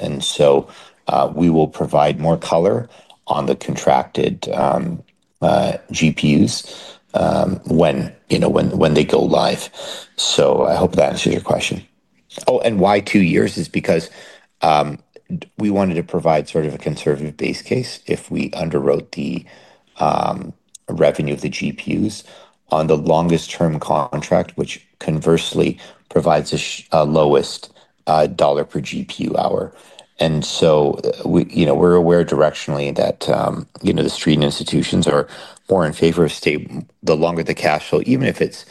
We will provide more color on the contracted GPUs when they go live. I hope that answers your question. Oh, and why two years is because we wanted to provide sort of a conservative base case if we underwrote the revenue of the GPUs on the longest-term contract, which conversely provides the lowest dollar per GPU hour. We are aware directionally that the street institutions are more in favor of the longer the cash flow, even if it is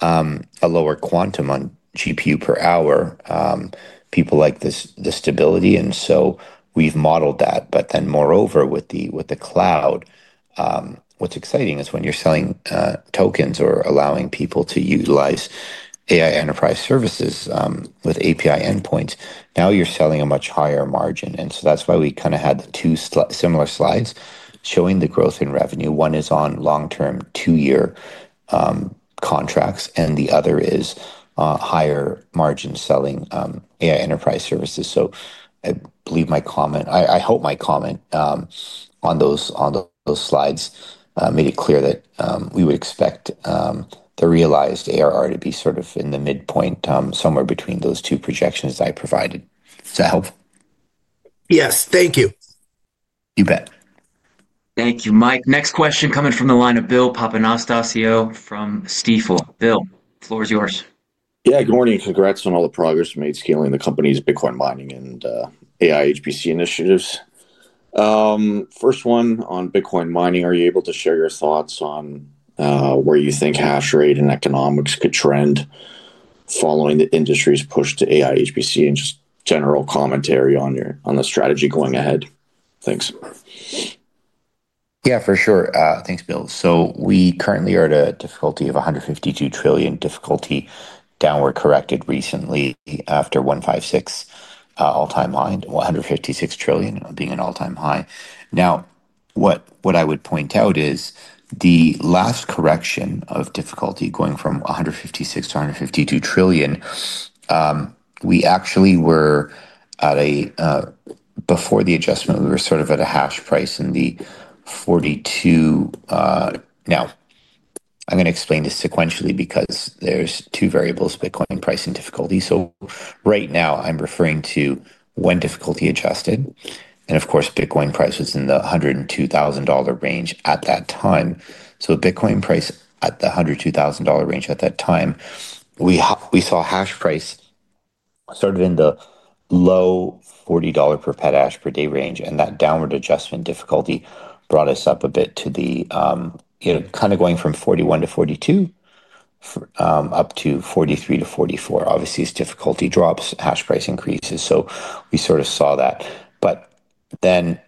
a lower quantum on GPU per hour, people like the stability. We have modeled that. But then moreover, with the cloud, what's exciting is when you're selling tokens or allowing people to utilize AI enterprise services with API endpoints, now you're selling a much higher margin. That's why we kind of had two similar slides showing the growth in revenue. One is on long-term two-year contracts, and the other is higher margin selling AI enterprise services. I believe my comment, I hope my comment on those slides made it clear that we would expect the realized ARR to be sort of in the midpoint somewhere between those two projections that I provided. Does that help? Yes. Thank you. You bet. Thank you, Mike. Next question coming from the line of Bill Papanastasiou from Stifel. Bill, the floor is yours. Yeah, good morning. Congrats on all the progress made scaling the company's Bitcoin mining and AI HPC initiatives. First one on Bitcoin mining, are you able to share your thoughts on where you think hash rate and economics could trend following the industry's push to AI HPC and just general commentary on the strategy going ahead? Thanks. Yeah, for sure. Thanks, Bill. So we currently are at a difficulty of 152 trillion, difficulty downward corrected recently after 156 all-time high, 156 trillion being an all-time high. Now, what I would point out is the last correction of difficulty going from 156 to 152 trillion, we actually were at a before the adjustment, we were sort of at a hash price in the 42. Now, I'm going to explain this sequentially because there's two variables: Bitcoin price and difficulty. Right now, I'm referring to when difficulty adjusted. Of course, Bitcoin price was in the $102,000 range at that time. Bitcoin price at the $102,000 range at that time, we saw hash price sort of in the low $40 per petahash per day range. That downward adjustment difficulty brought us up a bit to the kind of going from $41-$42 up to $43-$44. Obviously, as difficulty drops, hash price increases. We sort of saw that.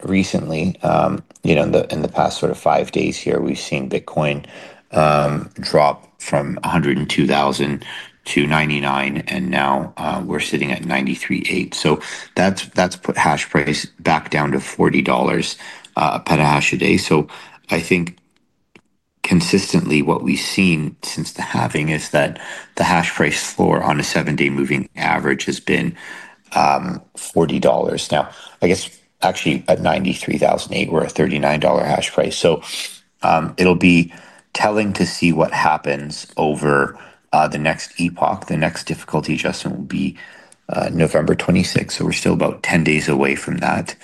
Recently, in the past five days here, we've seen Bitcoin drop from $102,000 to $99,000, and now we're sitting at $93,800. That has put hash price back down to $40 per petahash a day. I think consistently what we've seen since the halving is that the hash price floor on a seven-day moving average has been $40. I guess actually at $93,800, we're at $39 hash price. It will be telling to see what happens over the next epoch. The next difficulty adjustment will be November 26. We are still about 10 days away from that.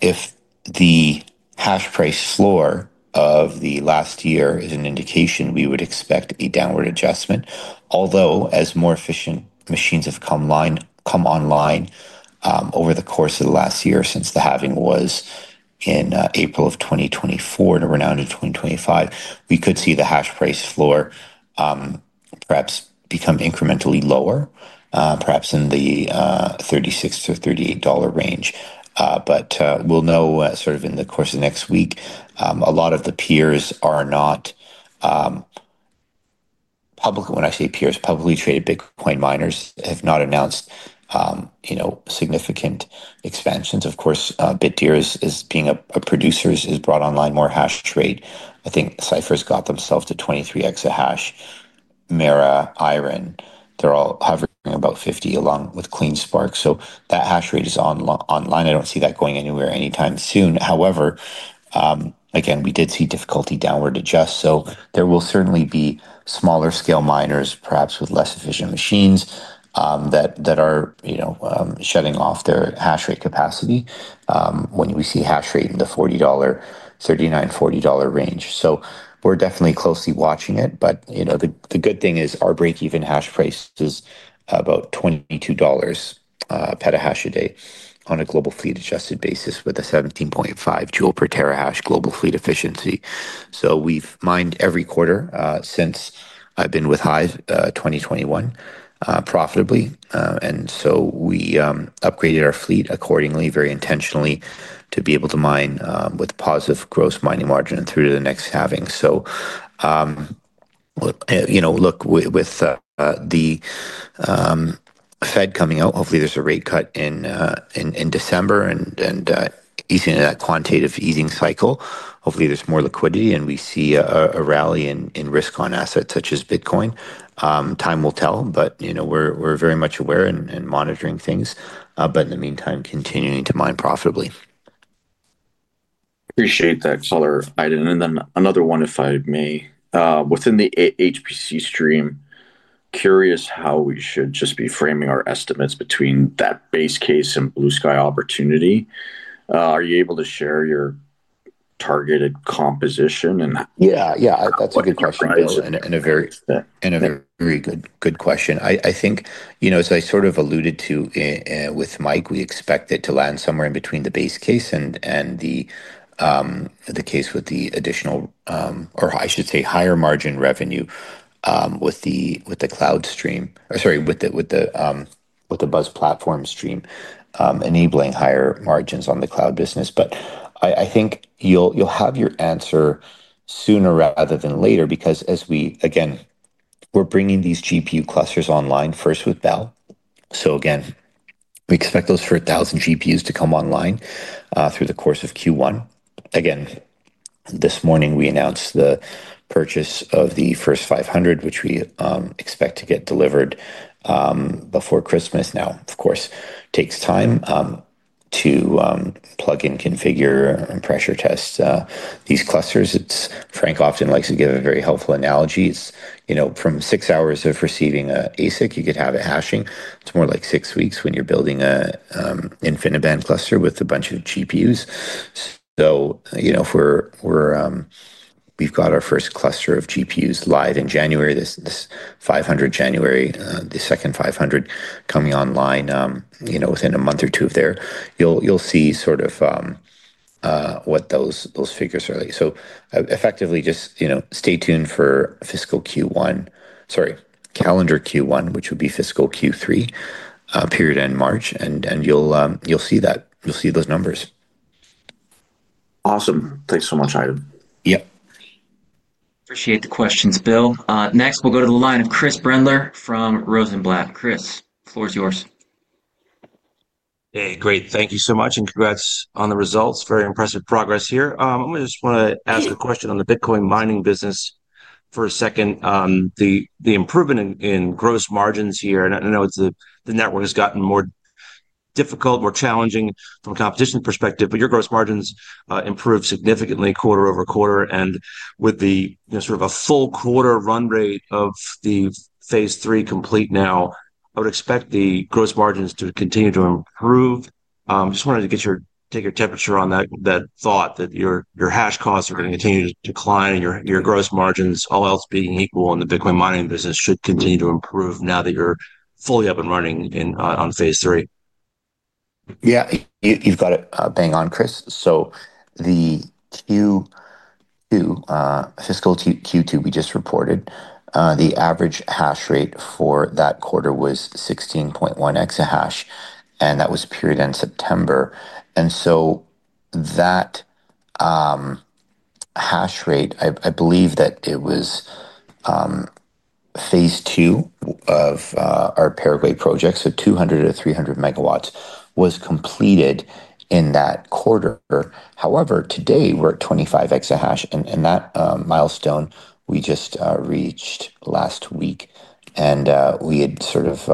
If the hash price floor of the last year is an indication, we would expect a downward adjustment. Although as more efficient machines have come online over the course of the last year since the halving was in April of 2024 to around 2025, we could see the hash price floor perhaps become incrementally lower, perhaps in the $36-$38 range. We will know sort of in the course of the next week. A lot of the peers are not public. When I say peers, publicly traded Bitcoin miners have not announced significant expansions. Of course, Bitdeer as being a producer has brought online more hash rate. I think Cypher has got themselves to 23 exahash. MARA, IREN, they are all hovering about 50 along with CleanSpark. That hash rate is online. I do not see that going anywhere anytime soon. However, again, we did see difficulty downward adjust. There will certainly be smaller scale miners, perhaps with less efficient machines that are shutting off their hash rate capacity when we see hash rate in the $39-$40 range. We are definitely closely watching it. The good thing is our break-even hash price is about $22 per hash a day on a global fleet adjusted basis with a 17.5 joule per terahash global fleet efficiency. We have mined every quarter since I have been with HIVE since 2021 profitably. We upgraded our fleet accordingly, very intentionally, to be able to mine with positive gross mining margin through to the next halving. Look, with the Fed coming out, hopefully there is a rate cut in December and easing that quantitative easing cycle. Hopefully there's more liquidity and we see a rally in risk on assets such as Bitcoin. Time will tell, but we're very much aware and monitoring things. In the meantime, continuing to mine profitably. Appreciate that caller, Aydin. Another one, if I may. Within the HPC stream, curious how we should just be framing our estimates between that base case and blue sky opportunity. Are you able to share your targeted composition? Yeah, yeah. That's a good question. A very good question. I think, as I sort of alluded to with Mike, we expect it to land somewhere in between the base case and the case with the additional, or I should say higher margin revenue with the cloud stream, or sorry, with the BUZZ platform stream enabling higher margins on the cloud business. I think you'll have your answer sooner rather than later because as we, again, we're bringing these GPU clusters online first with Bell. Again, we expect those for 1,000 GPUs to come online through the course of Q1. This morning we announced the purchase of the first 500, which we expect to get delivered before Christmas. Now, of course, it takes time to plug in, configure, and pressure test these clusters. Frank often likes to give a very helpful analogy. From six hours of receiving an ASIC, you could have it hashing. It's more like six weeks when you're building an InfiniBand cluster with a bunch of GPUs. We've got our first cluster of GPUs live in January, this 500 January, the second 500 coming online within a month or two of there. You'll see sort of what those figures are like. Effectively just stay tuned for fiscal Q1, sorry, calendar Q1, which would be fiscal Q3, period end March. You'll see that. You'll see those numbers. Awesome. Thanks so much, Aydin. Yep. Appreciate the questions, Bill. Next, we'll go to the line of Chris Brendler from Rosenblatt. Chris, the floor is yours. Hey, great. Thank you so much. Congrats on the results. Very impressive progress here. I just want to ask a question on the Bitcoin mining business for a second. The improvement in gross margins here, and I know the network has gotten more difficult, more challenging from a competition perspective, but your gross margins improved significantly quarter over quarter. With the sort of a full quarter run rate of the phase three complete now, I would expect the gross margins to continue to improve. Just wanted to take your temperature on that thought that your hash costs are going to continue to decline and your gross margins, all else being equal in the Bitcoin mining business, should continue to improve now that you're fully up and running on phase three. Yeah, you've got it bang on, Chris. The Q2, fiscal Q2 we just reported, the average hash rate for that quarter was 16.1 exahash. That was period end September. That hash rate, I believe that it was phase two of our Paraguay project, so 200 MW-300 MW was completed in that quarter. However, today we're at 25 exahash. That milestone we just reached last week. We had sort of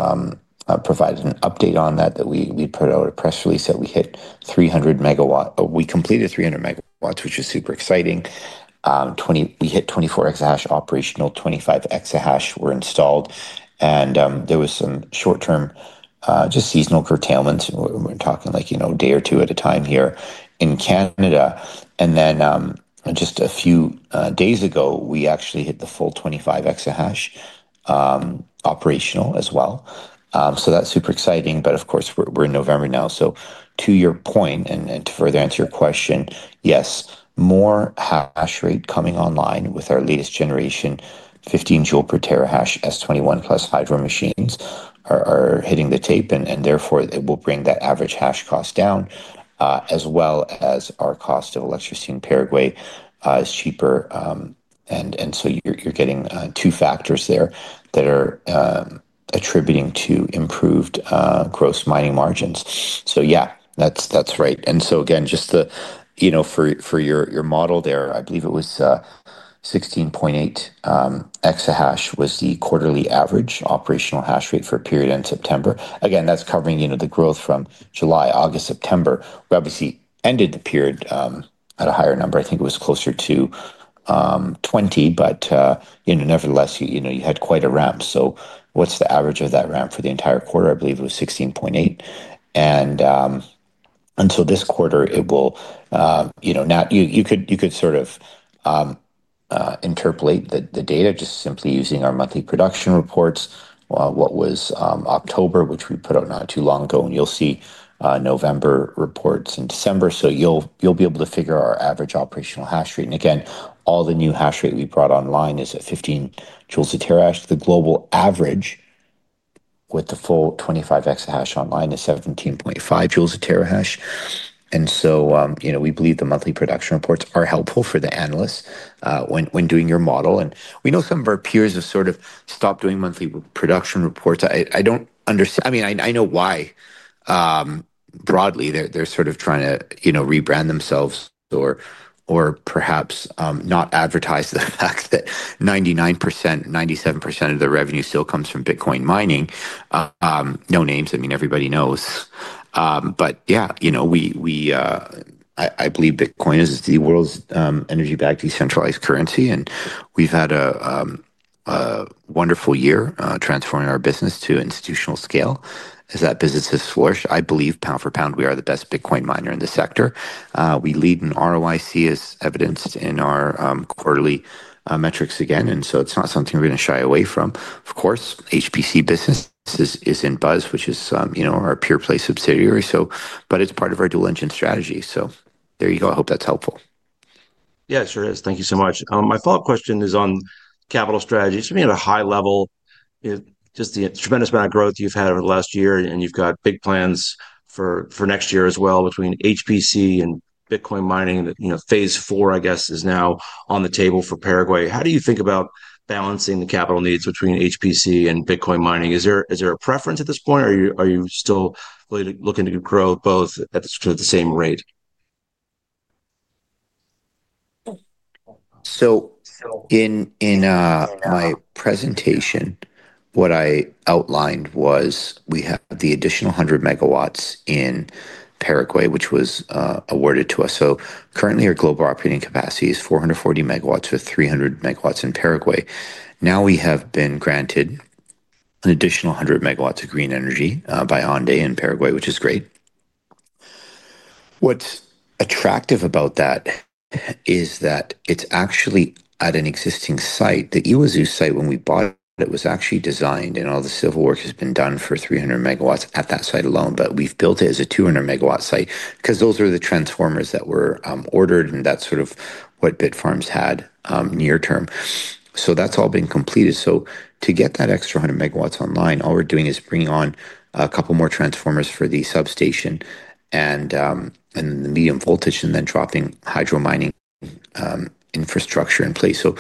provided an update on that, that we put out a press release that we hit 300 MW. We completed 300 MW, which is super exciting. We hit 24 exahash operational, 25 exahash were installed. There was some short-term just seasonal curtailments. We're talking like a day or two at a time here in Canada. A few days ago, we actually hit the full 25 exahash operational as well. That is super exciting. Of course, we're in November now. To your point and to further answer your question, yes, more hash rate coming online with our latest generation 15 joules per terahash S21+ Hydro machines are hitting the tape. Therefore, it will bring that average hash cost down as well as our cost of electricity in Paraguay is cheaper. You are getting two factors there that are attributing to improved gross mining margins. Yeah, that's right. Again, just for your model there, I believe it was 16.8 exahash was the quarterly average operational hash rate for period end September. Again, that is covering the growth from July, August, September. We obviously ended the period at a higher number. I think it was closer to 20, but nevertheless, you had quite a ramp. What is the average of that ramp for the entire quarter? I believe it was 16.8. Until this quarter, you could sort of interpolate the data just simply using our monthly production reports, what was October, which we put out not too long ago. You will see November reports in December. You will be able to figure our average operational hash rate. Again, all the new hash rate we brought online is at 15 joules per terahash. The global average with the full 25x a hash online is 17.5 joules a terahash. We believe the monthly production reports are helpful for the analysts when doing your model. We know some of our peers have sort of stopped doing monthly production reports. I mean, I know why broadly, they're sort of trying to rebrand themselves or perhaps not advertise the fact that 99%, 97% of the revenue still comes from Bitcoin mining. No names. I mean, everybody knows. Yeah, I believe Bitcoin is the world's energy-backed decentralized currency. We have had a wonderful year transforming our business to institutional scale. As that business has flourished, I believe pound for pound, we are the best Bitcoin miner in the sector. We lead in ROIC as evidenced in our quarterly metrics again. It is not something we are going to shy away from. Of course, HPC business is in BUZZ, which is our Pure-Play subsidiary. But it's part of our dual engine strategy. So there you go. I hope that's helpful. Yeah, sure is. Thank you so much. My follow-up question is on capital strategy. I mean, at a high level, just the tremendous amount of growth you've had over the last year and you've got big plans for next year as well between HPC and Bitcoin mining. Phase four, I guess, is now on the table for Paraguay. How do you think about balancing the capital needs between HPC and Bitcoin mining? Is there a preference at this point? Are you still looking to grow both at the same rate? In my presentation, what I outlined was we have the additional 100 MW in Paraguay, which was awarded to us. Currently, our global operating capacity is 440 MW with 300 MW in Paraguay. Now we have been granted an additional 100 MW of green energy by ANDE in Paraguay, which is great. What's attractive about that is that it's actually at an existing site. The Yguazú site, when we bought it, was actually designed and all the civil work has been done for 300 MW at that site alone. But we've built it as a 200 MW site because those are the transformers that were ordered and that's sort of what Bitfarms had near term. That's all been completed. To get that extra 100 MW online, all we're doing is bringing on a couple more transformers for the substation and the medium voltage and then dropping hydro mining infrastructure in place. To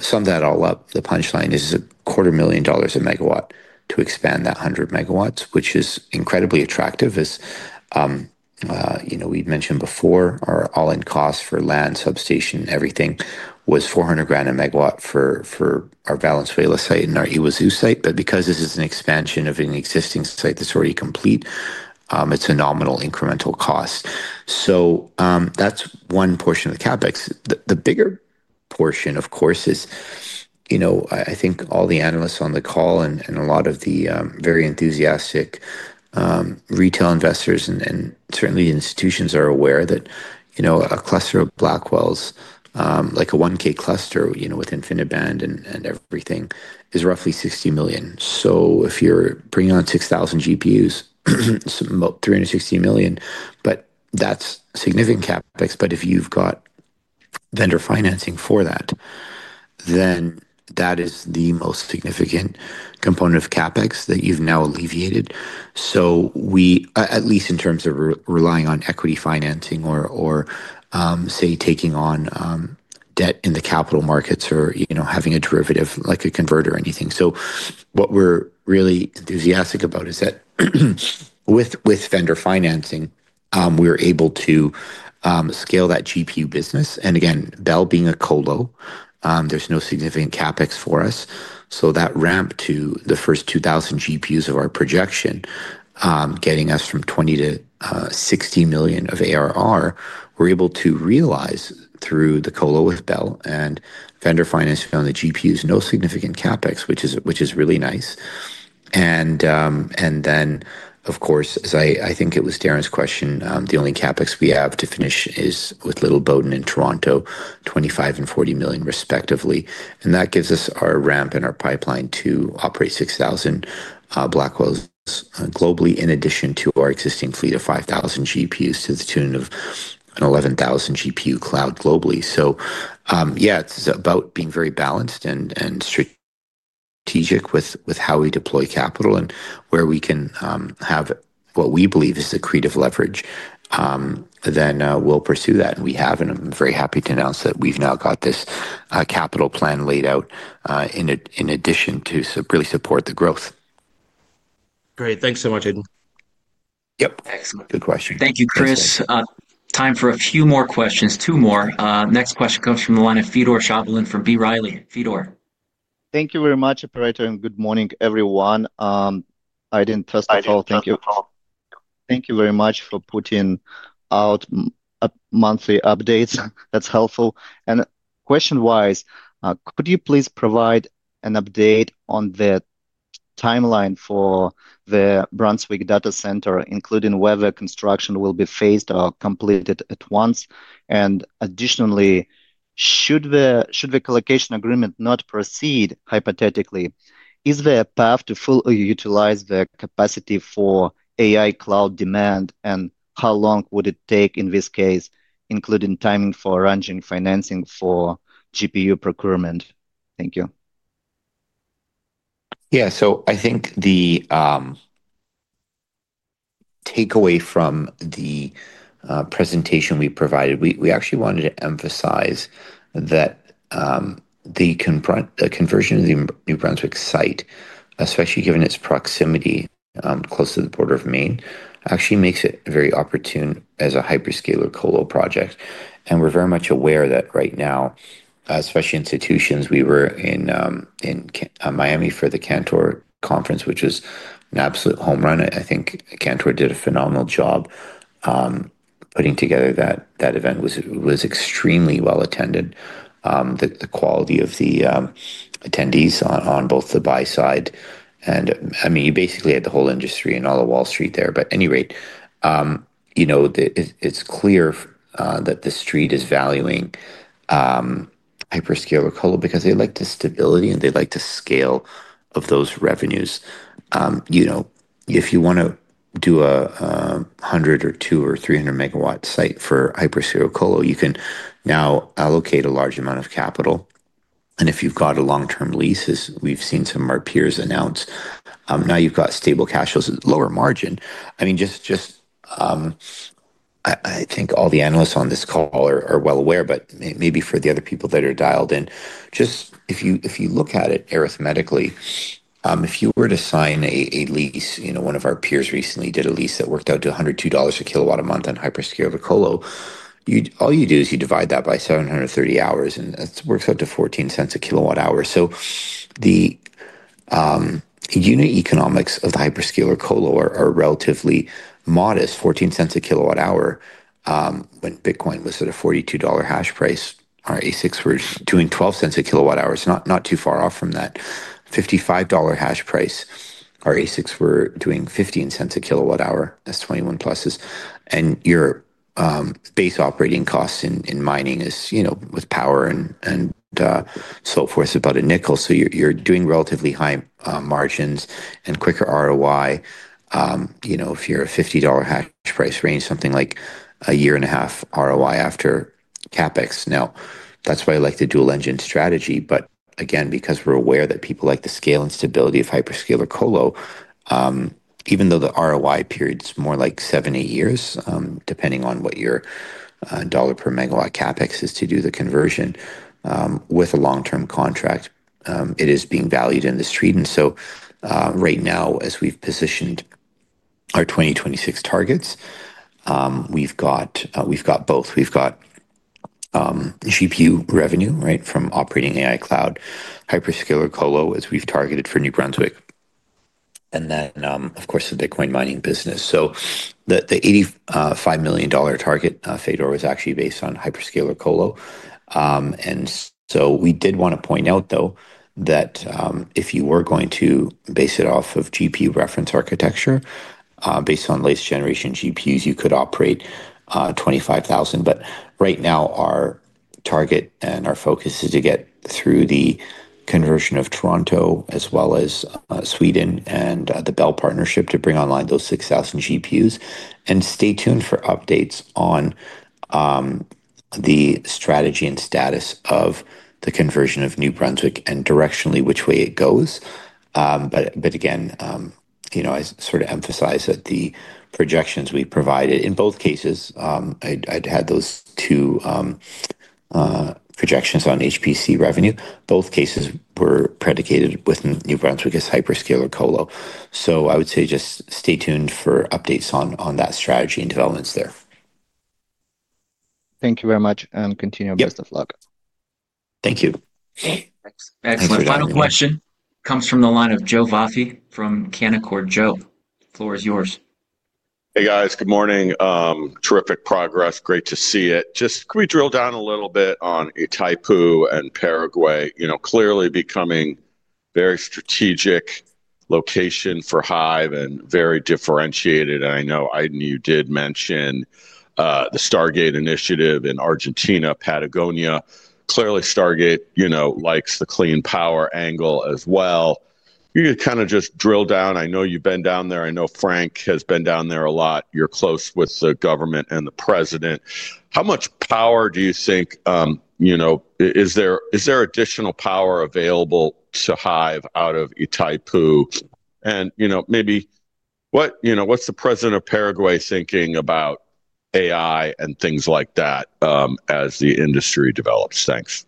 sum that all up, the punchline is a quarter million dollars a megawatt to expand that 100 MW, which is incredibly attractive. As we'd mentioned before, our all-in cost for land, substation, everything was $400,000 a megawatt for our Valenzuela site and our Yguazú site. Because this is an expansion of an existing site that's already complete, it's a nominal incremental cost. That's one portion of the CapEx. The bigger portion, of course, is I think all the analysts on the call and a lot of the very enthusiastic retail investors and certainly institutions are aware that a cluster of Blackwells, like a 1K cluster with InfiniBand and everything, is roughly $60 million. If you're bringing on 6,000 GPUs, it's about $360 million. That's significant CapEx. If you've got vendor financing for that, then that is the most significant component of CapEx that you've now alleviated. At least in terms of relying on equity financing or, say, taking on debt in the capital markets or having a derivative like a converter or anything. What we're really enthusiastic about is that with vendor financing, we're able to scale that GPU business. Again, Bell being a colo, there's no significant CapEx for us. That ramp to the first 2,000 GPUs of our projection, getting us from $20 million- $60 million of ARR, we're able to realize through the colo with Bell and vendor financing on the GPUs, no significant CapEx, which is really nice. Of course, as I think it was Darren's question, the only CapEx we have to finish is with Little Bowden in Toronto, $25 million and $40 million respectively. That gives us our ramp and our pipeline to operate 6,000 Blackwells globally in addition to our existing fleet of 5,000 GPUs to the tune of an 11,000 GPU cloud globally. Yeah, it is about being very balanced and strategic with how we deploy capital and where we can have what we believe is the creative leverage. We will pursue that. We have, and I am very happy to announce that we have now got this capital plan laid out in addition to really support the growth. Great. Thanks so much, Aydin. Yep. Excellent. Good question. Thank you, Chris. Time for a few more questions, two more. Next question comes from the line of Fedor Shabalin from B. Riley. Fedor. Thank you very much, Operator. Good morning, everyone. I did not trust the call. Thank you. Thank you very much for putting out monthly updates. That is helpful. Question-wise, could you please provide an update on the timeline for the Brunswick data center, including whether construction will be phased or completed at once? Additionally, should the colocation agreement not proceed, hypothetically, is there a path to fully utilize the capacity for AI cloud demand? How long would it take in this case, including timing for arranging financing for GPU procurement? Thank you. Yeah. I think the takeaway from the presentation we provided, we actually wanted to emphasize that the conversion of the New Brunswick site, especially given its proximity close to the border of Maine, actually makes it very opportune as a hyperscaler colo project. We are very much aware that right now, especially institutions, we were in Miami for the Cantor Conference, which was an absolute home run. I think Cantor did a phenomenal job putting together that event. It was extremely well attended. The quality of the attendees on both the buy side, and I mean, you basically had the whole industry and all of Wall Street there. At any rate, it is clear that the street is valuing hyperscaler colo because they like the stability and they like the scale of those revenues. If you want to do a 100 or 200 or 300 MW site for hyperscaler colo, you can now allocate a large amount of capital. If you have got a long-term lease, as we have seen some of our peers announce, now you have got stable cash flows, lower margin. I mean, just I think all the analysts on this call are well aware, but maybe for the other people that are dialed in, just if you look at it arithmetically, if you were to sign a lease, one of our peers recently did a lease that worked out to $102 a kilowatt a month on hyperscaler colo, all you do is you divide that by 730 hours, and it works out to $0.14 a kilowatt hour. So the unit economics of the hyperscaler colo are relatively modest, $0.14 a kilowatt hour. When Bitcoin was at a $42 hash price, our ASICs were doing $0.12 a kilowatt hour. It's not too far off from that. $55 hash price, our ASICs were doing $0.15 a kilowatt hour. That's 21+. And your base operating costs in mining is with power and so forth is about a nickel. You're doing relatively high margins and quicker ROI. If you're a $50 hash price range, something like a year and a half ROI after CapEx. That's why I like the dual engine strategy. Again, because we're aware that people like the scale and stability of hyperscaler colo, even though the ROI period is more like seven-eight years, depending on what your dollar per megawatt CapEx is to do the conversion with a long-term contract, it is being valued in the street. Right now, as we've positioned our 2026 targets, we've got both. We've got GPU revenue from operating AI cloud, hyperscaler colo as we've targeted for New Brunswick, and then, of course, the Bitcoin mining business. The $85 million target, Fedor, was actually based on hyperscaler colo. We did want to point out, though, that if you were going to base it off of GPU reference architecture based on latest generation GPUs, you could operate 25,000. Right now, our target and our focus is to get through the conversion of Toronto as well as Sweden and the Bell partnership to bring online those 6,000 GPUs. Stay tuned for updates on the strategy and status of the conversion of New Brunswick and directionally which way it goes. Again, I sort of emphasize that the projections we provided in both cases, I had those two projections on HPC revenue. Both cases were predicated with New Brunswick as hyperscaler colo. I would say just stay tuned for updates on that strategy and developments there. Thank you very much. Continue your best of luck. Thank you. Excellent. Final question comes from the line of Joe Vafi from Canaccord. Joe, the floor is yours. Hey, guys. Good morning. Terrific progress. Great to see it. Just can we drill down a little bit on Itaipu and Paraguay? Clearly becoming a very strategic location for HIVE and very differentiated. I know Aydin, you did mention the Stargate initiative in Argentina, Patagonia. Clearly, Stargate likes the clean power angle as well. You could kind of just drill down. I know you've been down there. I know Frank has been down there a lot. You're close with the government and the president. How much power do you think is there, additional power available to HIVE out of Itaipu? Maybe what's the president of Paraguay thinking about AI and things like that as the industry develops things?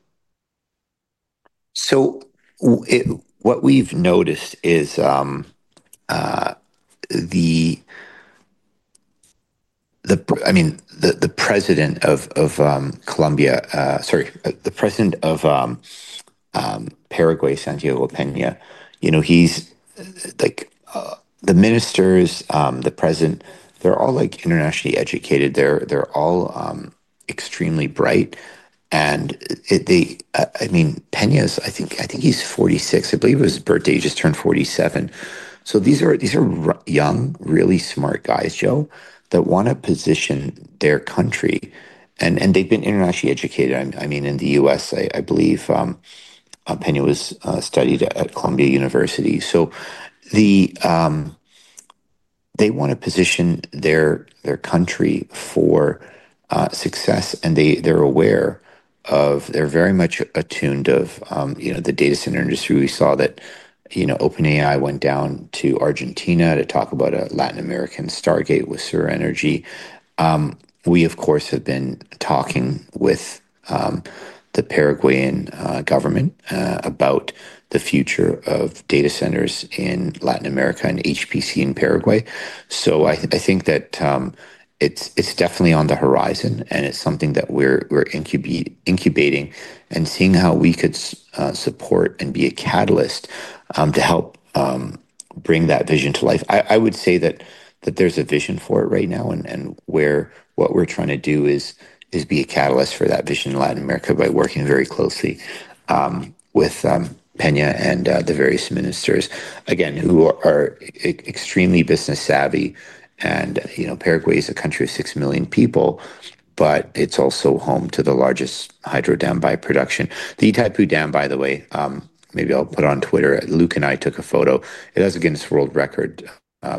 What we've noticed is, I mean, the President of Colombia, sorry, the President of Paraguay, Santiago Peña, he's like the ministers, the President, they're all internationally educated. They're all extremely bright. I mean, Peña, I think he's 46. I believe it was his birthday. He just turned 47. These are young, really smart guys, Joe, that want to position their country. They've been internationally educated. I mean, in the U.S., I believe Peña studied at Columbia University. They want to position their country for success. They're aware of, they're very much attuned to the data center industry. We saw that OpenAI went down to Argentina to talk about a Latin American Stargate with SurEnergy. We, of course, have been talking with the Paraguayan government about the future of data centers in Latin America and HPC in Paraguay. I think that it's definitely on the horizon, and it's something that we're incubating and seeing how we could support and be a catalyst to help bring that vision to life. I would say that there's a vision for it right now. What we're trying to do is be a catalyst for that vision in Latin America by working very closely with Peña and the various ministers, again, who are extremely business savvy. Paraguay is a country of 6 million people, but it's also home to the largest hydro dam by production. The Itaipu Dam, by the way, maybe I'll put it on Twitter. Luke and I took a photo. It has a Guinness World Record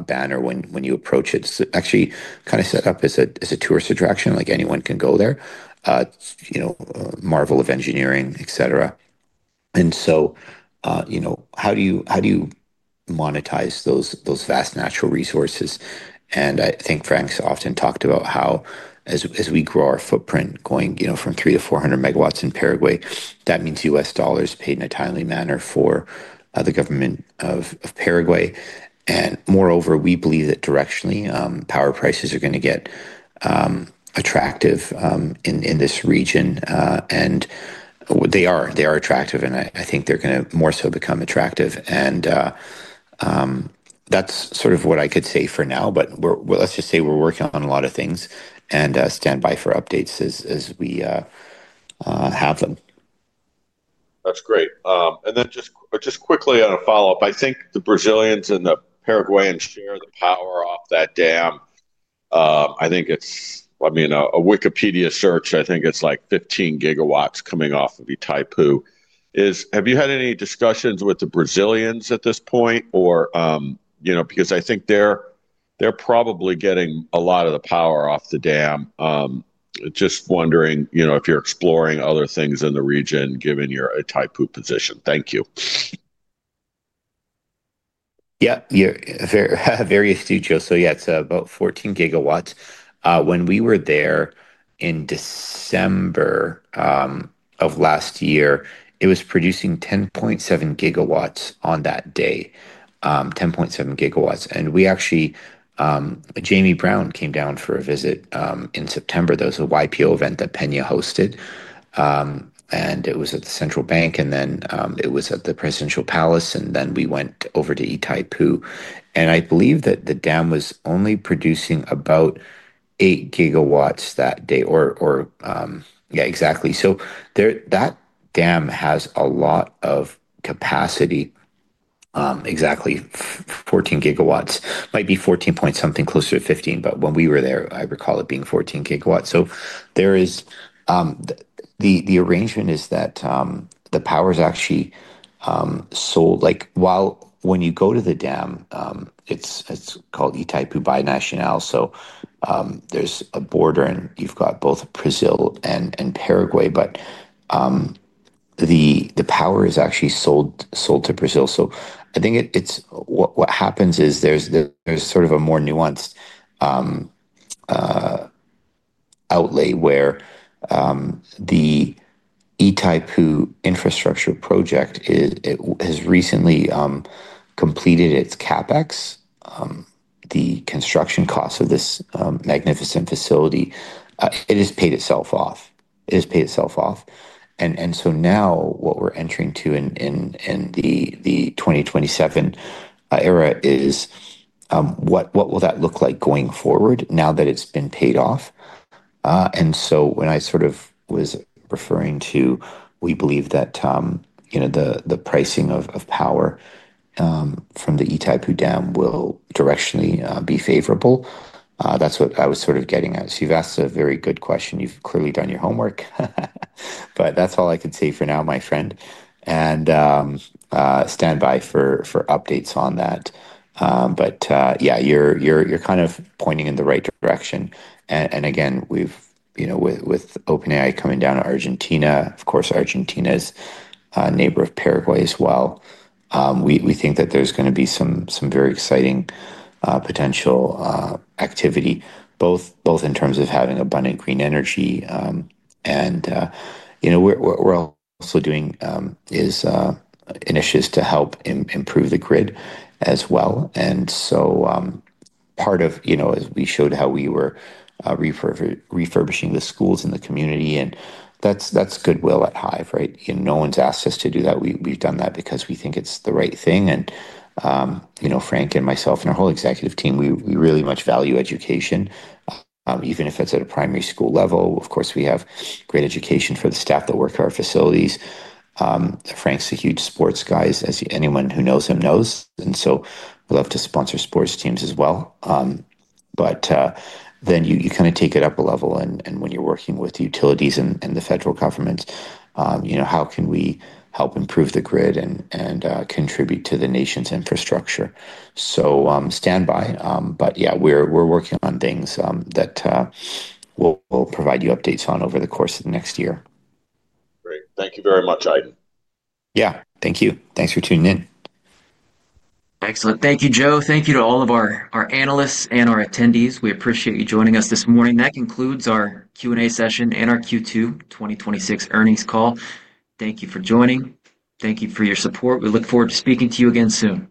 banner when you approach it. It's actually kind of set up as a tourist attraction. Anyone can go there, marvel of engineering, etc. How do you monetize those vast natural resources? I think Frank's often talked about how as we grow our footprint going from 300 MW -400 MW in Paraguay, that means U.S. dollars paid in a timely manner for the government of Paraguay. Moreover, we believe that directionally, power prices are going to get attractive in this region. They are attractive, and I think they're going to more so become attractive. That's sort of what I could say for now. Let's just say we're working on a lot of things and stand by for updates as we have them. That's great. Just quickly on a follow-up, I think the Brazilians and the Paraguayans share the power off that dam. I mean, a Wikipedia search, I think it's like 15 GW coming off of Itaipu. Have you had any discussions with the Brazilians at this point? Because I think they're probably getting a lot of the power off the dam. Just wondering if you're exploring other things in the region, given your Itaipu position. Thank you. Yeah. Various studios. So yeah, it's about 14 GW. When we were there in December of last year, it was producing 10.7 GW on that day, 10.7 GW. And we actually, Jamie Brown came down for a visit in September. That was a YPO event that Peña hosted. It was at the Central Bank. It was at the Presidential Palace. We went over to Itaipu. I believe that the dam was only producing about 8 GW that day or yeah, exactly. That dam has a lot of capacity, exactly 14 GW. Might be 14 point something, closer to 15. When we were there, I recall it being 14 GW. The arrangement is that the power is actually sold. When you go to the dam, it is called Itaipu Binacional. There is a border, and you have both Brazil and Paraguay. The power is actually sold to Brazil. I think what happens is there is sort of a more nuanced outlay where the Itaipu infrastructure project has recently completed its CapEx. The construction cost of this magnificent facility, it has paid itself off. It has paid itself off. Now what we are entering into in the 2027 era is what will that look like going forward now that it has been paid off? When I was referring to, we believe that the pricing of power from the Itaipu Dam will directionally be favorable. That is what I was getting at. You have asked a very good question. You have clearly done your homework. That is all I can say for now, my friend. Stand by for updates on that. You are kind of pointing in the right direction. Again, with OpenAI coming down to Argentina, of course, Argentina is a neighbor of Paraguay as well. We think that there is going to be some very exciting potential activity, both in terms of having abundant green energy. We are also doing initiatives to help improve the grid as well. Part of, as we showed how we were refurbishing the schools in the community, that is goodwill at HIVE, right? No one has asked us to do that. We have done that because we think it is the right thing. Frank and myself and our whole executive team, we really much value education, even if it is at a primary school level. Of course, we have great education for the staff that work at our facilities. Frank's a huge sports guy, as anyone who knows him knows. We love to sponsor sports teams as well. You kind of take it up a level. When you're working with utilities and the federal government, how can we help improve the grid and contribute to the nation's infrastructure? Stand by. We're working on things that we'll provide you updates on over the course of the next year. Great. Thank you very much, Aydin. Yeah. Thank you. Thanks for tuning in. Excellent. Thank you, Joe. Thank you to all of our analysts and our attendees. We appreciate you joining us this morning. That concludes our Q&A session and our Q2 2026 earnings call. Thank you for joining. Thank you for your support. We look forward to speaking to you again soon.